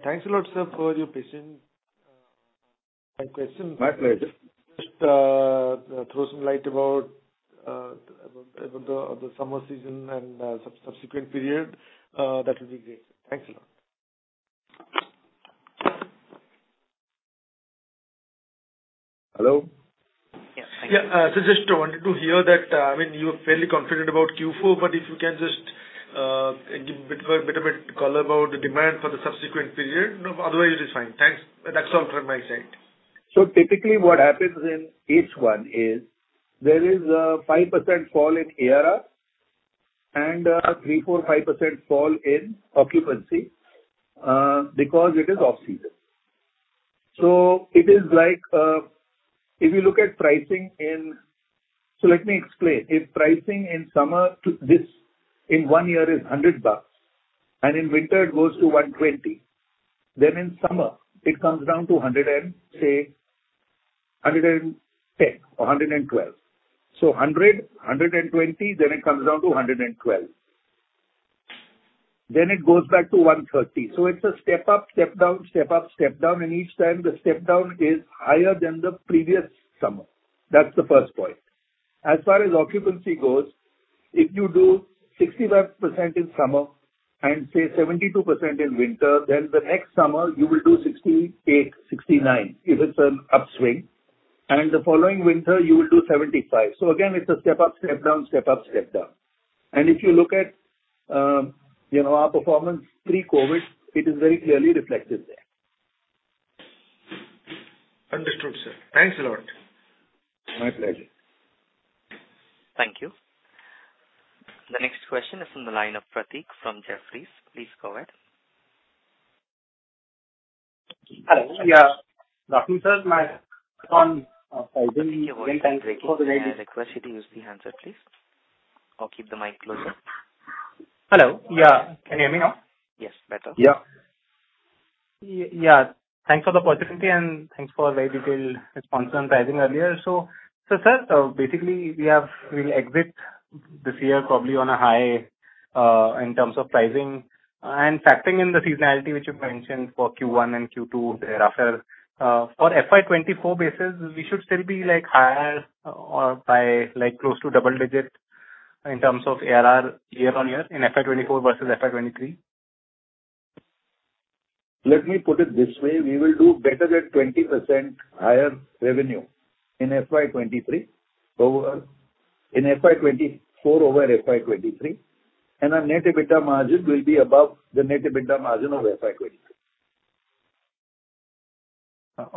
S10: Thanks a lot, sir, for your patience, and questions.
S3: My pleasure.
S10: Just throw some light about the summer season and subsequent period, that would be great. Thanks a lot.
S3: Hello?
S10: Yeah. Just wanted to hear that, I mean, you're fairly confident about Q4, but if you can just give a bit of a color about the demand for the subsequent period. Otherwise it is fine. Thanks. That's all from my side.
S3: Typically what happens in H1 is there is a 5% fall in ARR and a 3%, 4%, 5% fall in occupancy because it is off-season. It is like, if you look at pricing in... Let me explain. If pricing in summer to this in one year is 100 bucks and in winter it goes to 120, then in summer it comes down to 100 and, say, 110 or 112. 100, 120, then it comes down to 112. Then it goes back to 130. It's a step up, step down, step up, step down, and each time the step down is higher than the previous summer. That's the first point. As far as occupancy goes, if you do 65% in summer and say 72% in winter, then the next summer you will do 68%, 69%, if it's an upswing, and the following winter you will do 75%. Again, it's a step up, step down, step up, step down. If you look at, you know, our performance pre-COVID, it is very clearly reflected there.
S10: Understood, sir. Thanks a lot.
S3: My pleasure.
S1: Thank you. The next question is from the line of Prateek from Jefferies. Please go ahead.
S11: Hello. Yeah. Good afternoon, sir. My question, sorry...
S1: Your voice is breaking. I request you to use the handset please or keep the mic closer.
S11: Hello. Yeah. Can you hear me now?
S1: Yes, better.
S3: Yeah.
S11: Yeah. Thanks for the opportunity, and thanks for very detailed response on pricing earlier. Sir, basically we'll exit this year probably on a high, in terms of pricing. Factoring in the seasonality which you've mentioned for Q1 and Q2 thereafter, for FY 2024 basis we should still be, like, higher or by like close to double-digit in terms of ARR year on year in FY 2024 versus FY 2023?
S3: Let me put it this way. We will do better than 20% higher revenue in FY 2024 over FY 2023. Our net EBITDA margin will be above the net EBITDA margin of FY 2023.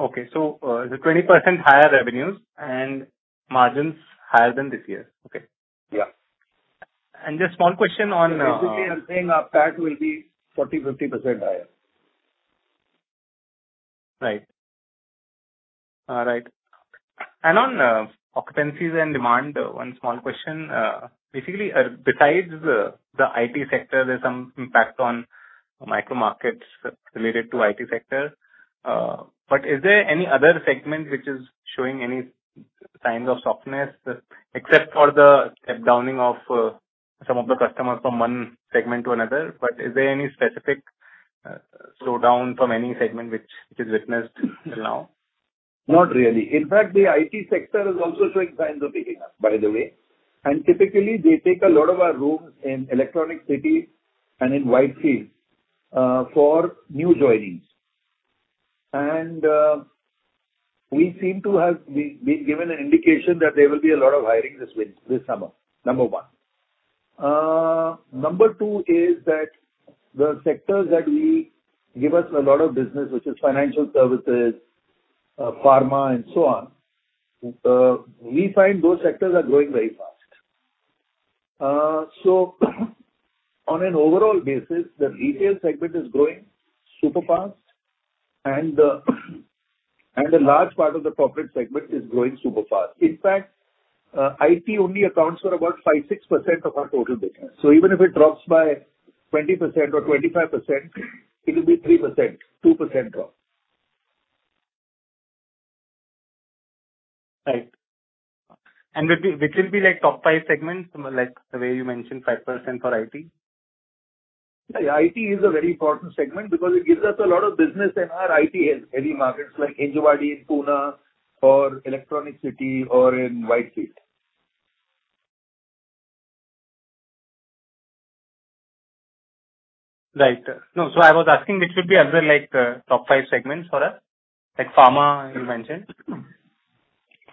S11: Okay. The 20% higher revenues and margins higher than this year. Okay.
S3: Yeah.
S11: Just small question on,
S3: Basically, I'm saying our PAT will be 40%-50% higher.
S11: Right. Right. On occupancies and demand, one small question. Basically, besides the IT sector, there's some impact on micro markets related to IT sector. Is there any other segment which is showing any signs of softness except for the step downing of some of the customers from one segment to another, is there any specific slowdown from any segment which is witnessed till now?
S3: Not really. In fact, the IT sector is also showing signs of picking up, by the way. Typically they take a lot of our rooms in Electronic City and in Whitefield for new joinees. We seem to have been given an indication that there will be a lot of hiring this summer, number one. Number two is that the sectors that we give us a lot of business, which is financial services, pharma and so on, we find those sectors are growing very fast. On an overall basis, the retail segment is growing super fast and a large part of the corporate segment is growing super fast. In fact, IT only accounts for about 5%, 6% of our total business. Even if it drops by 20% or 25%, it will be 3%, 2% drop.
S11: Right. Which will be like top five segments from like the way you mentioned 5% for IT?
S3: IT is a very important segment because it gives us a lot of business in our IT heavy markets like Ejipadi in Pune or Electronic City or in Whitefield.
S11: Right. No, I was asking which would be other like, top five segments for us, like pharma you mentioned.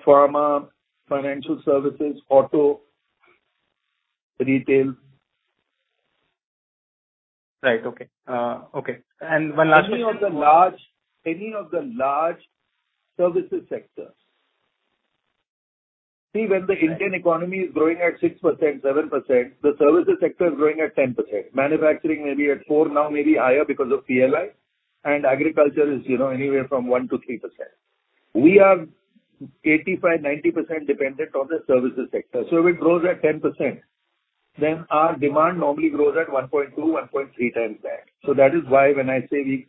S3: Pharma, financial services, auto, retail.
S11: Right. Okay. Okay. My last question.
S3: Any of the large, any of the large services sectors. When the Indian economy is growing at 6%, 7%, the services sector is growing at 10%. Manufacturing may be at four now, maybe higher because of PLI, and agriculture is, you know, anywhere from 1%-3%. We are 85%-90% dependent on the services sector. If it grows at 10%, then our demand normally grows at 1.2, 1.3 times that. That is why when I say the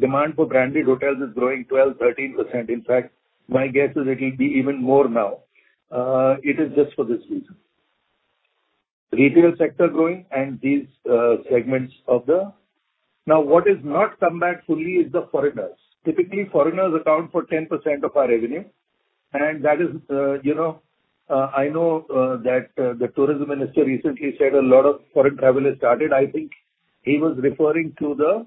S3: demand for branded hotels is growing 12%, 13%, in fact, my guess is it'll be even more now. It is just for this reason. Retail sector growing and these segments of the... Now, what is not come back fully is the foreigners. Typically, foreigners account for 10% of our revenue, and that is, you know, I know, that, the tourism minister recently said a lot of foreign travel has started. I think he was referring to the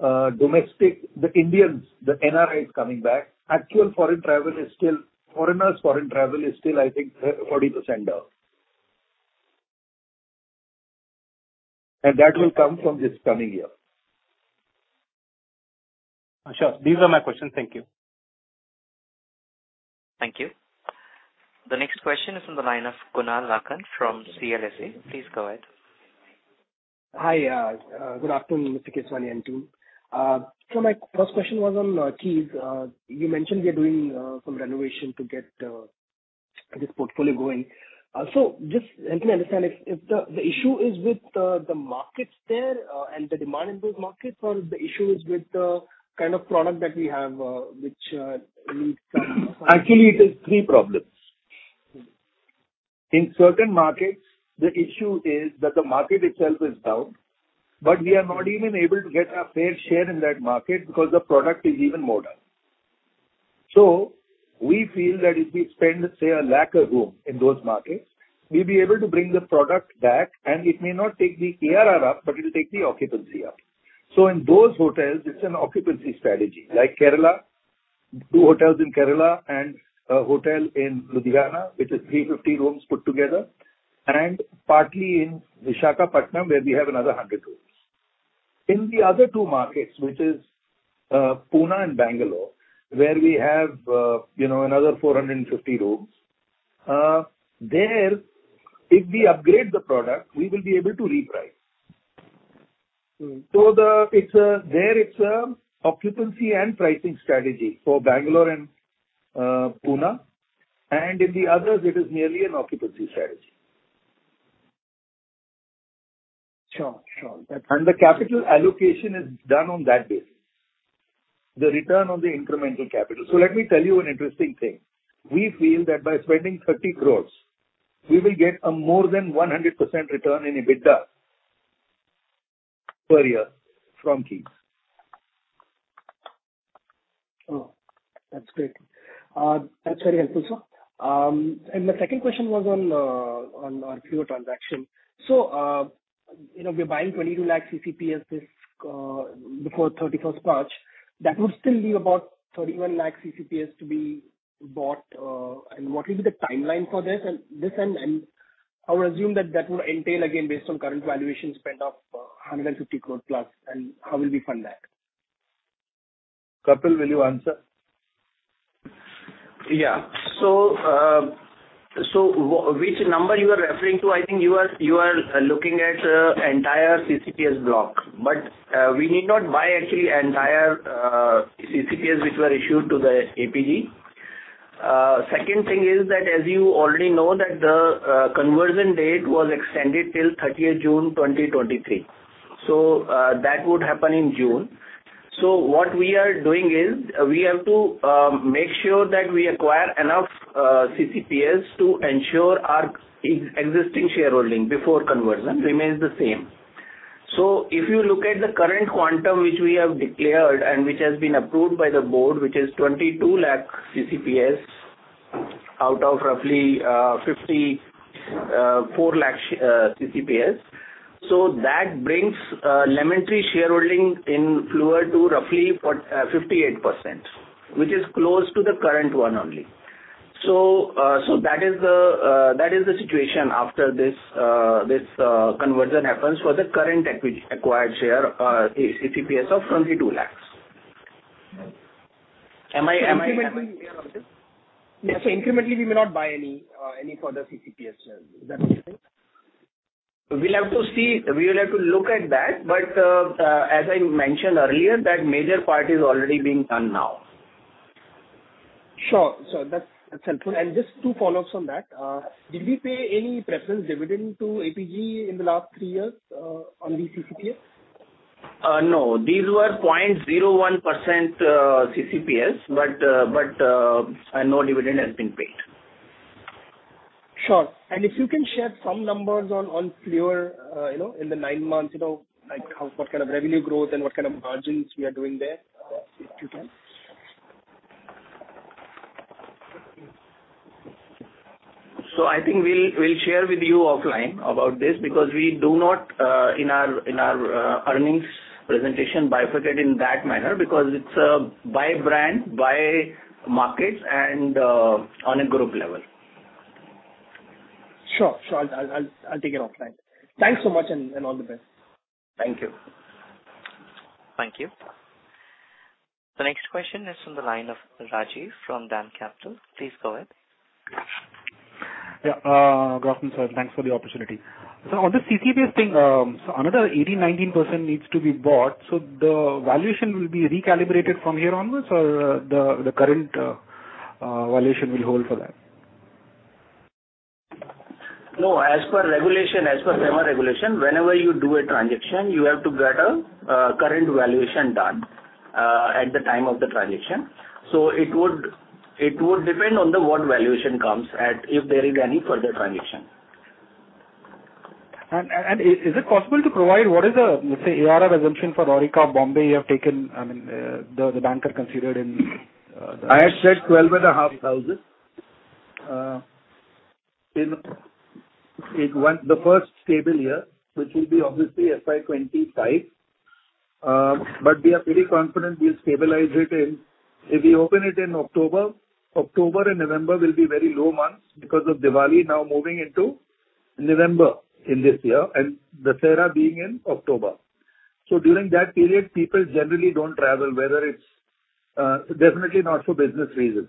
S3: domestic, the Indians, the NRIs coming back. Actual foreign travel is still. Foreigners' foreign travel is still, I think, 40% down. That will come from this coming year.
S11: Sure. These are my questions. Thank you.
S1: Thank you. The next question is from the line of Kunal Lakhan from CLSA. Please go ahead.
S12: Hi. Good afternoon, Mr. Keswani, and team. My first question was on Keys. You mentioned we are doing some renovation to get this portfolio going. Just help me understand if the issue is with the markets there, and the demand in those markets, or if the issue is with the kind of product that we have, which needs some-
S3: It is three problems. In certain markets the issue is that the market itself is down, but we are not even able to get a fair share in that market because the product is even more down. We feel that if we spend, say, 1 lakh a room in those markets, we'll be able to bring the product back. It may not take the ARR up, but it'll take the occupancy up. In those hotels, it's an occupancy strategy. Like Kerala, two hotels in Kerala and a hotel in Ludhiana, which is 350 rooms put together, and partly in Visakhapatnam, where we have another 100 rooms. In the other two markets, which is Pune and Bangalore, where we have, you know, another 450 rooms, there, if we upgrade the product, we will be able to reprice.
S12: Mm-hmm.
S3: It's occupancy and pricing strategy for Bangalore and Pune. In the others it is merely an occupancy strategy.
S12: Sure, sure.
S3: The capital allocation is done on that basis, the return on the incremental capital. Let me tell you an interesting thing. We feel that by spending 30 crores, we will get a more than 100% return in EBITDA per year from Keys.
S12: Oh, that's great. That's very helpful, sir. My second question was on on our Fleur transaction. you know, we're buying 22 lakh CCPS this before 31st March. That would still leave about 31 lakh CCPS to be bought. What will be the timeline for this? I'll assume that that will entail, again, based on current valuation spend of 150 crore plus, and how will we fund that?
S3: Kapil, will you answer?
S5: Which number you are referring to, I think you are, you are looking at entire CCPS block. We need not buy actually entire CCPS which were issued to the APG. Second thing is that as you already know that the conversion date was extended till 30th June 2023. That would happen in June. What we are doing is we have to make sure that we acquire enough CCPS to ensure our existing shareholding before conversion remains the same. If you look at the current quantum which we have declared and which has been approved by the board, which is 22 lakh CCPS out of roughly 54 lakh CCPS. That brings Lemon Tree shareholding in Fleur to roughly 58%, which is close to the current one only. That is the situation after this conversion happens for the current acquired share, CCPS of 22 lakhs. Am I?
S12: Incrementally Yeah, so incrementally we may not buy any further CCPS shares. Is that what you're saying?
S5: We'll have to see. We will have to look at that. As I mentioned earlier, that major part is already being done now.
S12: Sure. That's helpful. Just two follow-ups on that. Did we pay any preference dividend to APG in the last three years on these CCPS?
S5: No. These were 0.01% CCPS, but no dividend has been paid.
S12: Sure. If you can share some numbers on Fleur, you know, in the nine months, you know, like what kind of revenue growth and what kind of margins we are doing there, if you can?
S5: I think we'll share with you offline about this because we do not, in our earnings presentation bifurcate in that manner because it's, by brand, by markets and, on a group level.
S12: Sure. Sure. I'll take it offline. Thanks so much and all the best.
S5: Thank you.
S1: Thank you. The next question is from the line of Rajiv from DAM Capital. Please go ahead.
S13: Good afternoon, sir. Thanks for the opportunity. On the CCPS thing, so another 18%, 19% needs to be bought, so the valuation will be recalibrated from here onwards or the current valuation will hold for that?
S5: No. As per regulation, as per SEBI regulation, whenever you do a transaction, you have to get a current valuation done, at the time of the transaction. It would depend on the what valuation comes at if there is any further transaction.
S3: Is it possible to provide what is the, let's say, ARR assumption for Aurika Mumbai you have taken, I mean, the banker considered in the.
S5: I had said twelve and a half thousand in the first stable year, which will be obviously FY 2025. We are pretty confident we'll stabilize it in... If we open it in October and November will be very low months because of Diwali now moving into November in this year and Dussehra being in October. During that period, people generally don't travel, whether it's definitely not for business reasons.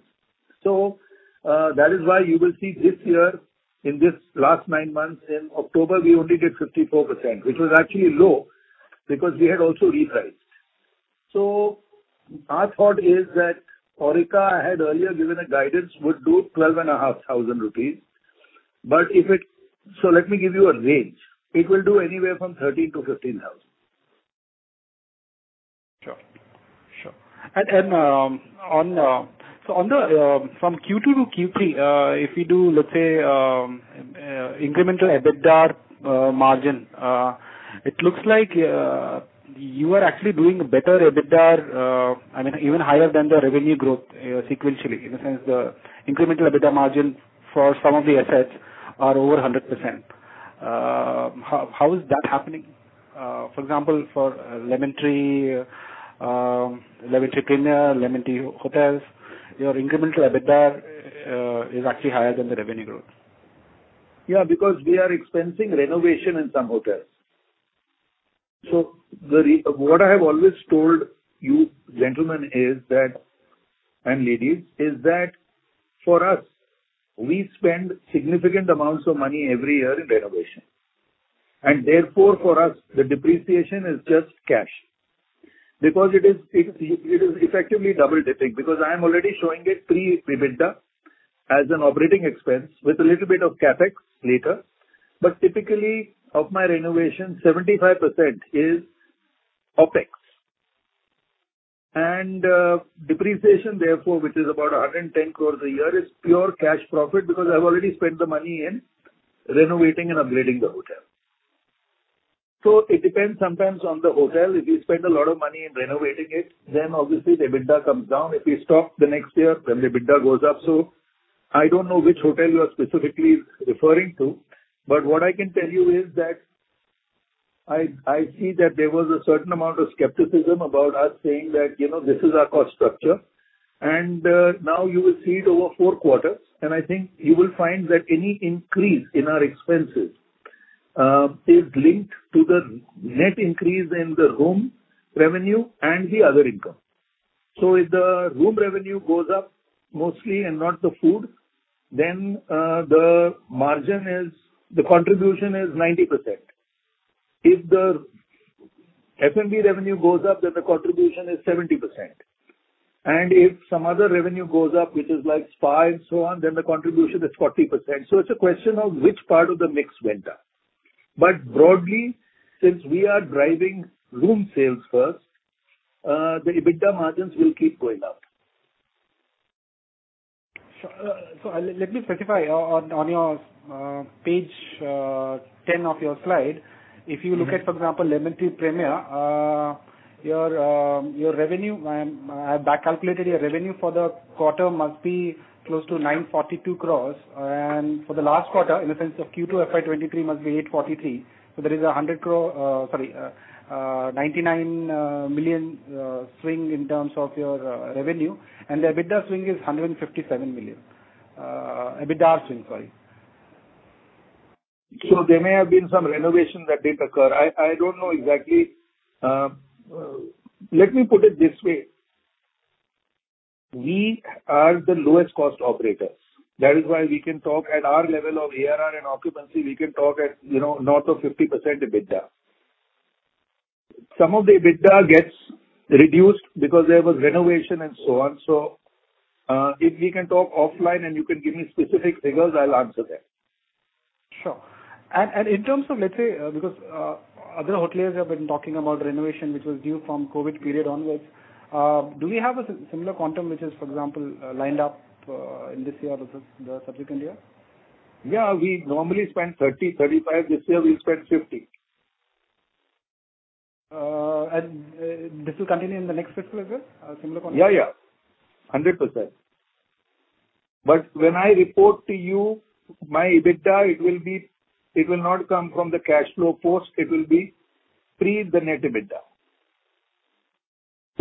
S5: That is why you will see this year in this last 9 months, in October we only did 54%, which was actually low because we had also repriced. Our thought is that Aurika, I had earlier given a guidance, would do twelve and a half thousand rupees. Let me give you a range. It will do anywhere from 13,000-15,000.
S3: Sure. Sure. And, on the, from Q2 to Q3, if we do, let's say.
S13: Incremental EBITDA margin, it looks like you are actually doing better EBITDA, I mean, even higher than the revenue growth sequentially. In a sense, the incremental EBITDA margin for some of the assets are over 100%. How is that happening? For example, for Lemon Tree, Lemon Tree Premier, Lemon Tree Hotels, your incremental EBITDA is actually higher than the revenue growth.
S3: Yeah, because we are expensing renovation in some hotels. What I have always told you gentlemen is that, and ladies, is that for us, we spend significant amounts of money every year in renovation. Therefore, for us, the depreciation is just cash because it is effectively double-dipping. Because I'm already showing it pre-EBITDA as an operating expense with a little bit of CapEx later. Typically of my renovation, 75% is OpEx. Depreciation, therefore, which is about 110 crores a year, is pure cash profit because I've already spent the money in renovating and upgrading the hotel. It depends sometimes on the hotel. If you spend a lot of money in renovating it, then obviously the EBITDA comes down. If we stop the next year, then the EBITDA goes up. I don't know which hotel you are specifically referring to, but what I can tell you is that I see that there was a certain amount of skepticism about us saying that, you know, this is our cost structure, and now you will see it over four quarters. I think you will find that any increase in our expenses is linked to the net increase in the room revenue and the other income. If the room revenue goes up mostly and not the food, then the contribution is 90%. If the F&B revenue goes up, then the contribution is 70%. If some other revenue goes up, which is like spa and so on, then the contribution is 40%. It's a question of which part of the mix went up. broadly, since we are driving room sales first, the EBITDA margins will keep going up.
S13: So let me specify. On your, page, 10 of your slide.
S3: Mm-hmm.
S13: If you look at, for example, Lemon Tree Premier, your revenue, I back calculated your revenue for the quarter must be close to 942 crores. For the last quarter, in the sense of Q2 FY23 must be 843 crores. There is 99 million swing in terms of your revenue. The EBITDA swing is 157 million. EBITDA swing, sorry.
S3: There may have been some renovation that did occur. I don't know exactly. Let me put it this way. We are the lowest cost operators. That is why we can talk at our level of ARR and occupancy, we can talk at, you know, north of 50% EBITDA. Some of the EBITDA gets reduced because there was renovation and so on. If we can talk offline and you can give me specific figures, I'll answer them.
S13: Sure. In terms of let's say, because other hoteliers have been talking about renovation, which was due from COVID period onwards. Do we have a similar quantum which is, for example, lined up in this year or the subsequent year?
S3: Yeah. We normally spend 30, 35. This year we spent 50.
S13: This will continue in the next fiscal year, a similar quantum?
S3: Yeah, yeah. 100%. When I report to you my EBITDA, it will not come from the cash flow post. It will be pre the net EBITDA.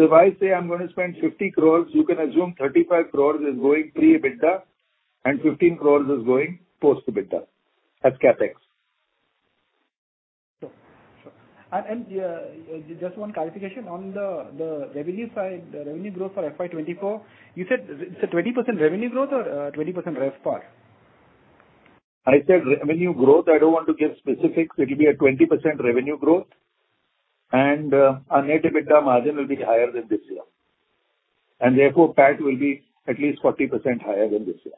S3: If I say I'm going to spend 50 crores, you can assume 35 crores is going pre-EBITDA and 15 crores is going post-EBITDA as CapEx.
S13: Sure. Sure. Just one clarification. On the revenue side, the revenue growth for FY 2024, you said it's a 20% revenue growth or 20% RevPAR?
S3: I said revenue growth, I don't want to give specifics. It'll be a 20% revenue growth. Our net EBITDA margin will be higher than this year. Therefore, PAT will be at least 40% higher than this year.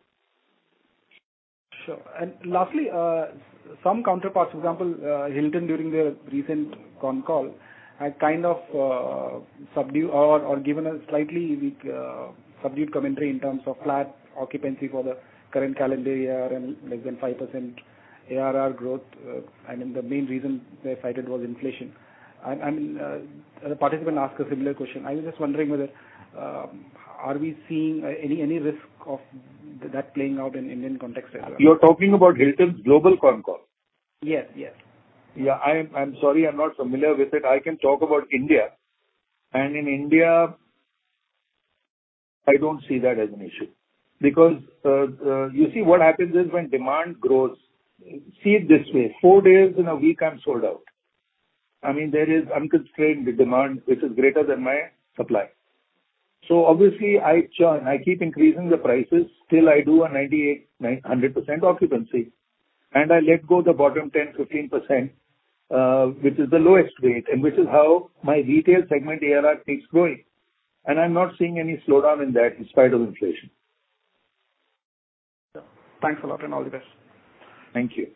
S13: Sure. Lastly, some counterparts, for example, Hilton during their recent con call had kind of subdued or given a slightly weak subdued commentary in terms of flat occupancy for the current calendar year and less than 5% ARR growth. I mean, the main reason they cited was inflation. I mean, the participant asked a similar question. I was just wondering whether are we seeing any risk of that playing out in Indian context as well?
S3: You're talking about Hilton's global con call?
S13: Yes. Yes.
S3: Yeah. I'm sorry, I'm not familiar with it. I can talk about India. In India, I don't see that as an issue. Because you see, what happens is when demand grows... See it this way, four days in a week, I'm sold out. I mean, there is unconstrained demand which is greater than my supply. Obviously I charge, I keep increasing the prices 'til I do a 98, nine, 100% occupancy. I let go the bottom 10-15%, which is the lowest rate and which is how my retail segment ARR keeps growing. I'm not seeing any slowdown in that in spite of inflation.
S13: Sure. Thanks a lot, and all the best.
S3: Thank you.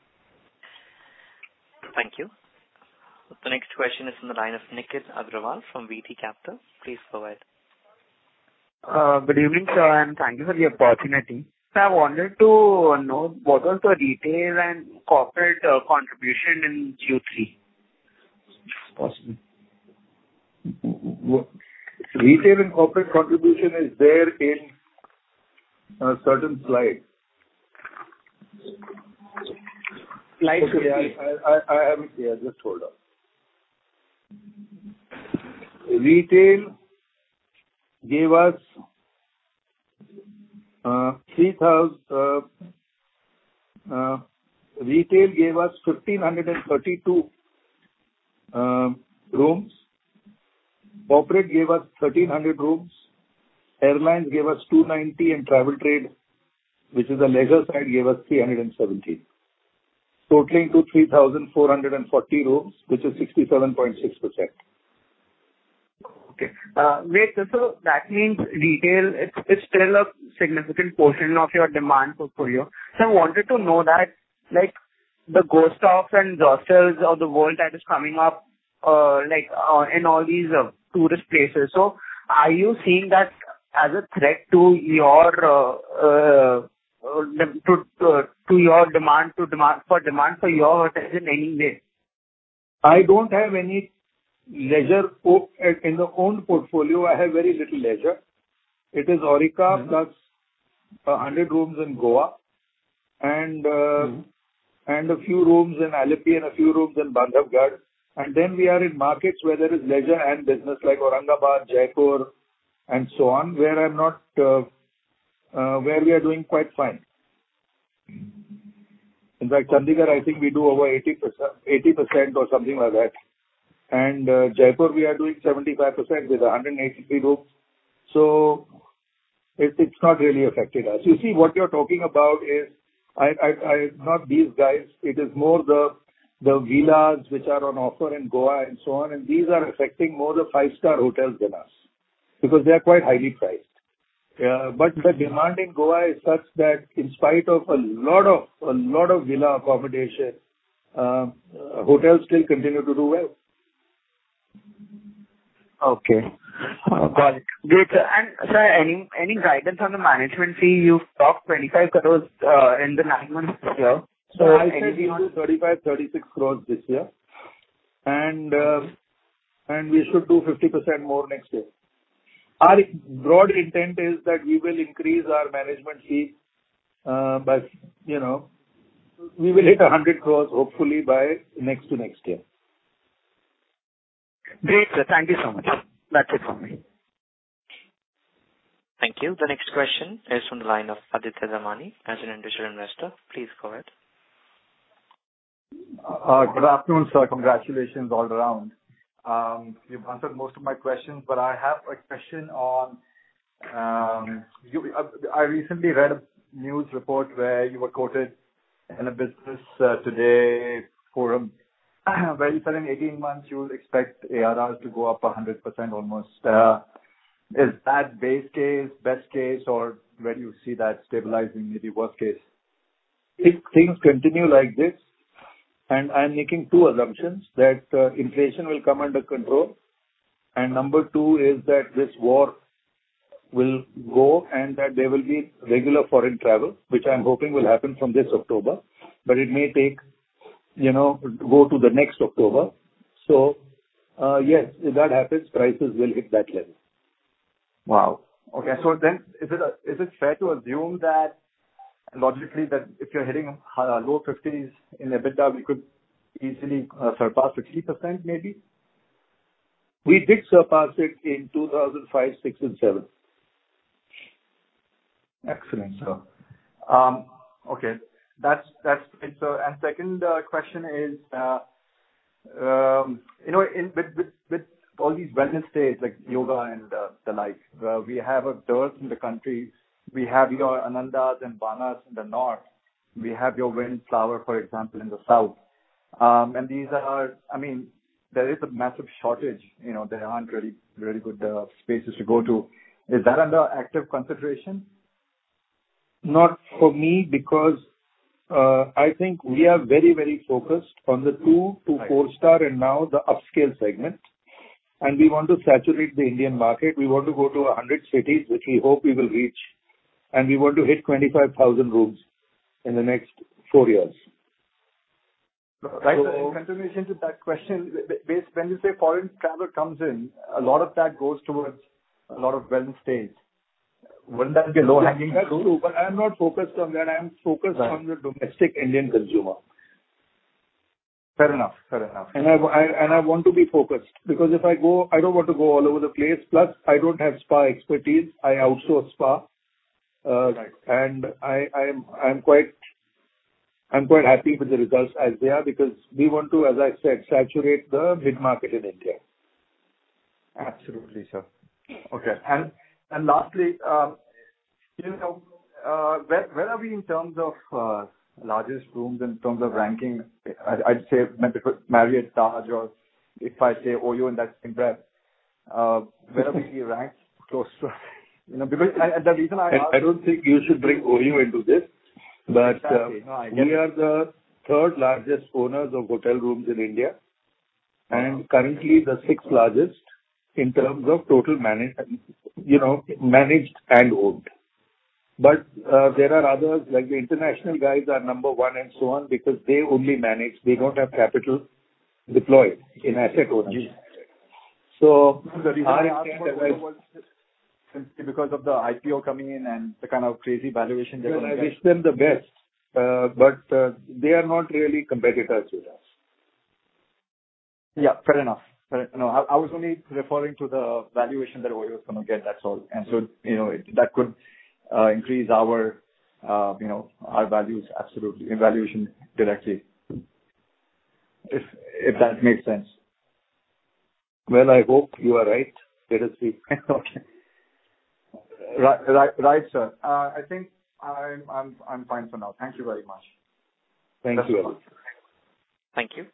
S1: Thank you. The next question is from the line of Niket Agrawal from VT Capital. Please go ahead.
S14: good evening, sir, thank you for your opportunity. I wanted to know what was the retail and corporate contribution in Q3.
S3: If possible. What retail and corporate contribution is there in certain slides?
S14: Slide 16.
S3: Okay. I am... Yeah, just hold on. Retail gave us 1,532 rooms. Corporate gave us 1,300 rooms. Airlines gave us 290, and travel trade, which is the leisure side, gave us 370, totaling to 3,440 rooms, which is 67.6%.
S14: Okay, great. That means retail is still a significant portion of your demand portfolio. I wanted to know that, like, the ghost towns and ghost hills of the world that is coming up, like, in all these tourist places. Are you seeing that as a threat to your to your demand for demand for your hotels in any way?
S3: I don't have any leisure in the owned portfolio, I have very little leisure. It is Aurika.
S14: Mm-hmm.
S3: plus 100 rooms in Goa and,
S14: Mm-hmm.
S3: A few rooms in Alleppey and a few rooms in Bandhavgarh. We are in markets where there is leisure and business like Aurangabad, Jaipur, and so on, where I'm not, where we are doing quite fine.
S14: Mm-hmm.
S3: In fact, Chandigarh, I think we do over 80%, 80% or something like that. Jaipur, we are doing 75% with 183 rooms. It's not really affected us. You see, what you're talking about is I... Not these guys. It is more the villas which are on offer in Goa and so on, and these are affecting more the 5-star hotels than us because they are quite highly priced.
S14: Yeah.
S3: The demand in Goa is such that in spite of a lot of villa accommodation, hotels still continue to do well.
S14: Okay. Got it. Great. Sir, any guidance on the management fee? You've talked 25 crores in the nine months this year.
S3: I said we do 35, 36 crores this year. We should do 50% more next year. Our broad intent is that we will increase our management fee, you know, by, we will hit 100 crores hopefully by next to next year.
S14: Great, sir. Thank you so much. That's it from me.
S1: Thank you. The next question is from the line of Aditya Zamani Azan Investment Managers
S15: Good afternoon, sir. Congratulations all around. You've answered most of my questions, but I have a question on. I recently read a news report where you were quoted in a business today forum where you said in 18 months you would expect ARRs to go up 100% almost. Is that base case, best case, or where do you see that stabilizing, maybe worst case?
S3: If things continue like this, and I'm making two assumptions, that, inflation will come under control, and number two is that this war will go and that there will be regular foreign travel, which I'm hoping will happen from this October. It may take, you know, go to the next October. Yes, if that happens, prices will hit that level.
S15: Wow. Okay. Is it fair to assume that logically that if you're hitting low fifties in EBITDA, we could easily surpass 50% maybe?
S3: We did surpass it in 2005, 2006 and 2007.
S15: Excellent, sir. Okay. That's it, sir. Second, question is, you know, in with all these wellness stays like yoga and the like, we have a dearth in the country. We have your Anandas and Vana in the north. We have your Windflower, for example, in the south. These are. I mean, there is a massive shortage. You know, there aren't really good spaces to go to. Is that under active consideration?
S3: Not for me because, I think we are very, very focused on the two to four-star and now the upscale segment, and we want to saturate the Indian market. We want to go to 100 cities, which we hope we will reach, and we want to hit 25,000 rooms in the next four years.
S15: Right. In continuation to that question, When you say foreign travel comes in, a lot of that goes towards a lot of wellness stays. Wouldn't that be a low-hanging fruit?
S3: That's true, but I am not focused on that.
S15: Right.
S3: I am focused on the domestic Indian consumer.
S15: Fair enough. Fair enough.
S3: I want to be focused because if I go, I don't want to go all over the place. Plus, I don't have spa expertise. I outsource spa.
S15: Right.
S3: I am quite happy with the results as they are because we want to, as I said, saturate the mid-market in India.
S15: Absolutely, sir. Okay. Lastly, you know, where are we in terms of largest rooms in terms of ranking? I'd say maybe put Marriott, Taj, or if I say OYO, and that's inbred. Where do we rank? You know, because, and the reason I ask-
S3: I don't think you should bring OYO into this.
S15: Exactly. No, I get it.
S3: We are the third-largest owners of hotel rooms in India, and currently the sixth-largest in terms of total managed, you know, managed and owned. There are others, like the international guys are number one and so on because they only manage. They don't have capital deployed in asset ownership.
S15: Mm-hmm.
S3: I can't.
S15: The reason I ask about OYO was simply because of the IPO coming in and the kind of crazy valuation they're gonna get.
S3: Well, I wish them the best. They are not really competitors with us.
S15: Yeah, fair enough. Fair enough. No, I was only referring to the valuation that OYO is gonna get, that's all. you know, That could increase our, you know, our values absolutely, and valuation directly. If that makes sense.
S3: Well, I hope you are right. Let us see.
S15: Okay. Right, sir. I think I'm fine for now. Thank you very much.
S3: Thank you.
S15: That's it.
S1: Thank you.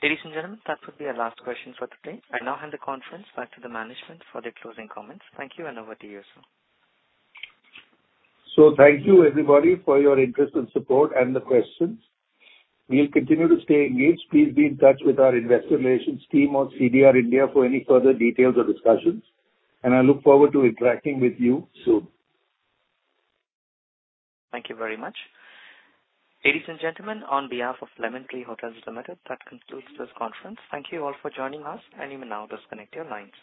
S1: Ladies and gentlemen, that would be our last question for today. I now hand the conference back to the management for their closing comments. Thank you, and over to you, sir.
S3: Thank you everybody for your interest and support and the questions. We'll continue to stay engaged. Please be in touch with our investor relations team or CDR India for any further details or discussions, and I look forward to interacting with you soon.
S1: Thank you very much. Ladies and gentlemen, on behalf of Lemon Tree Hotels Limited, that concludes this conference. Thank you all for joining us, and you may now disconnect your lines.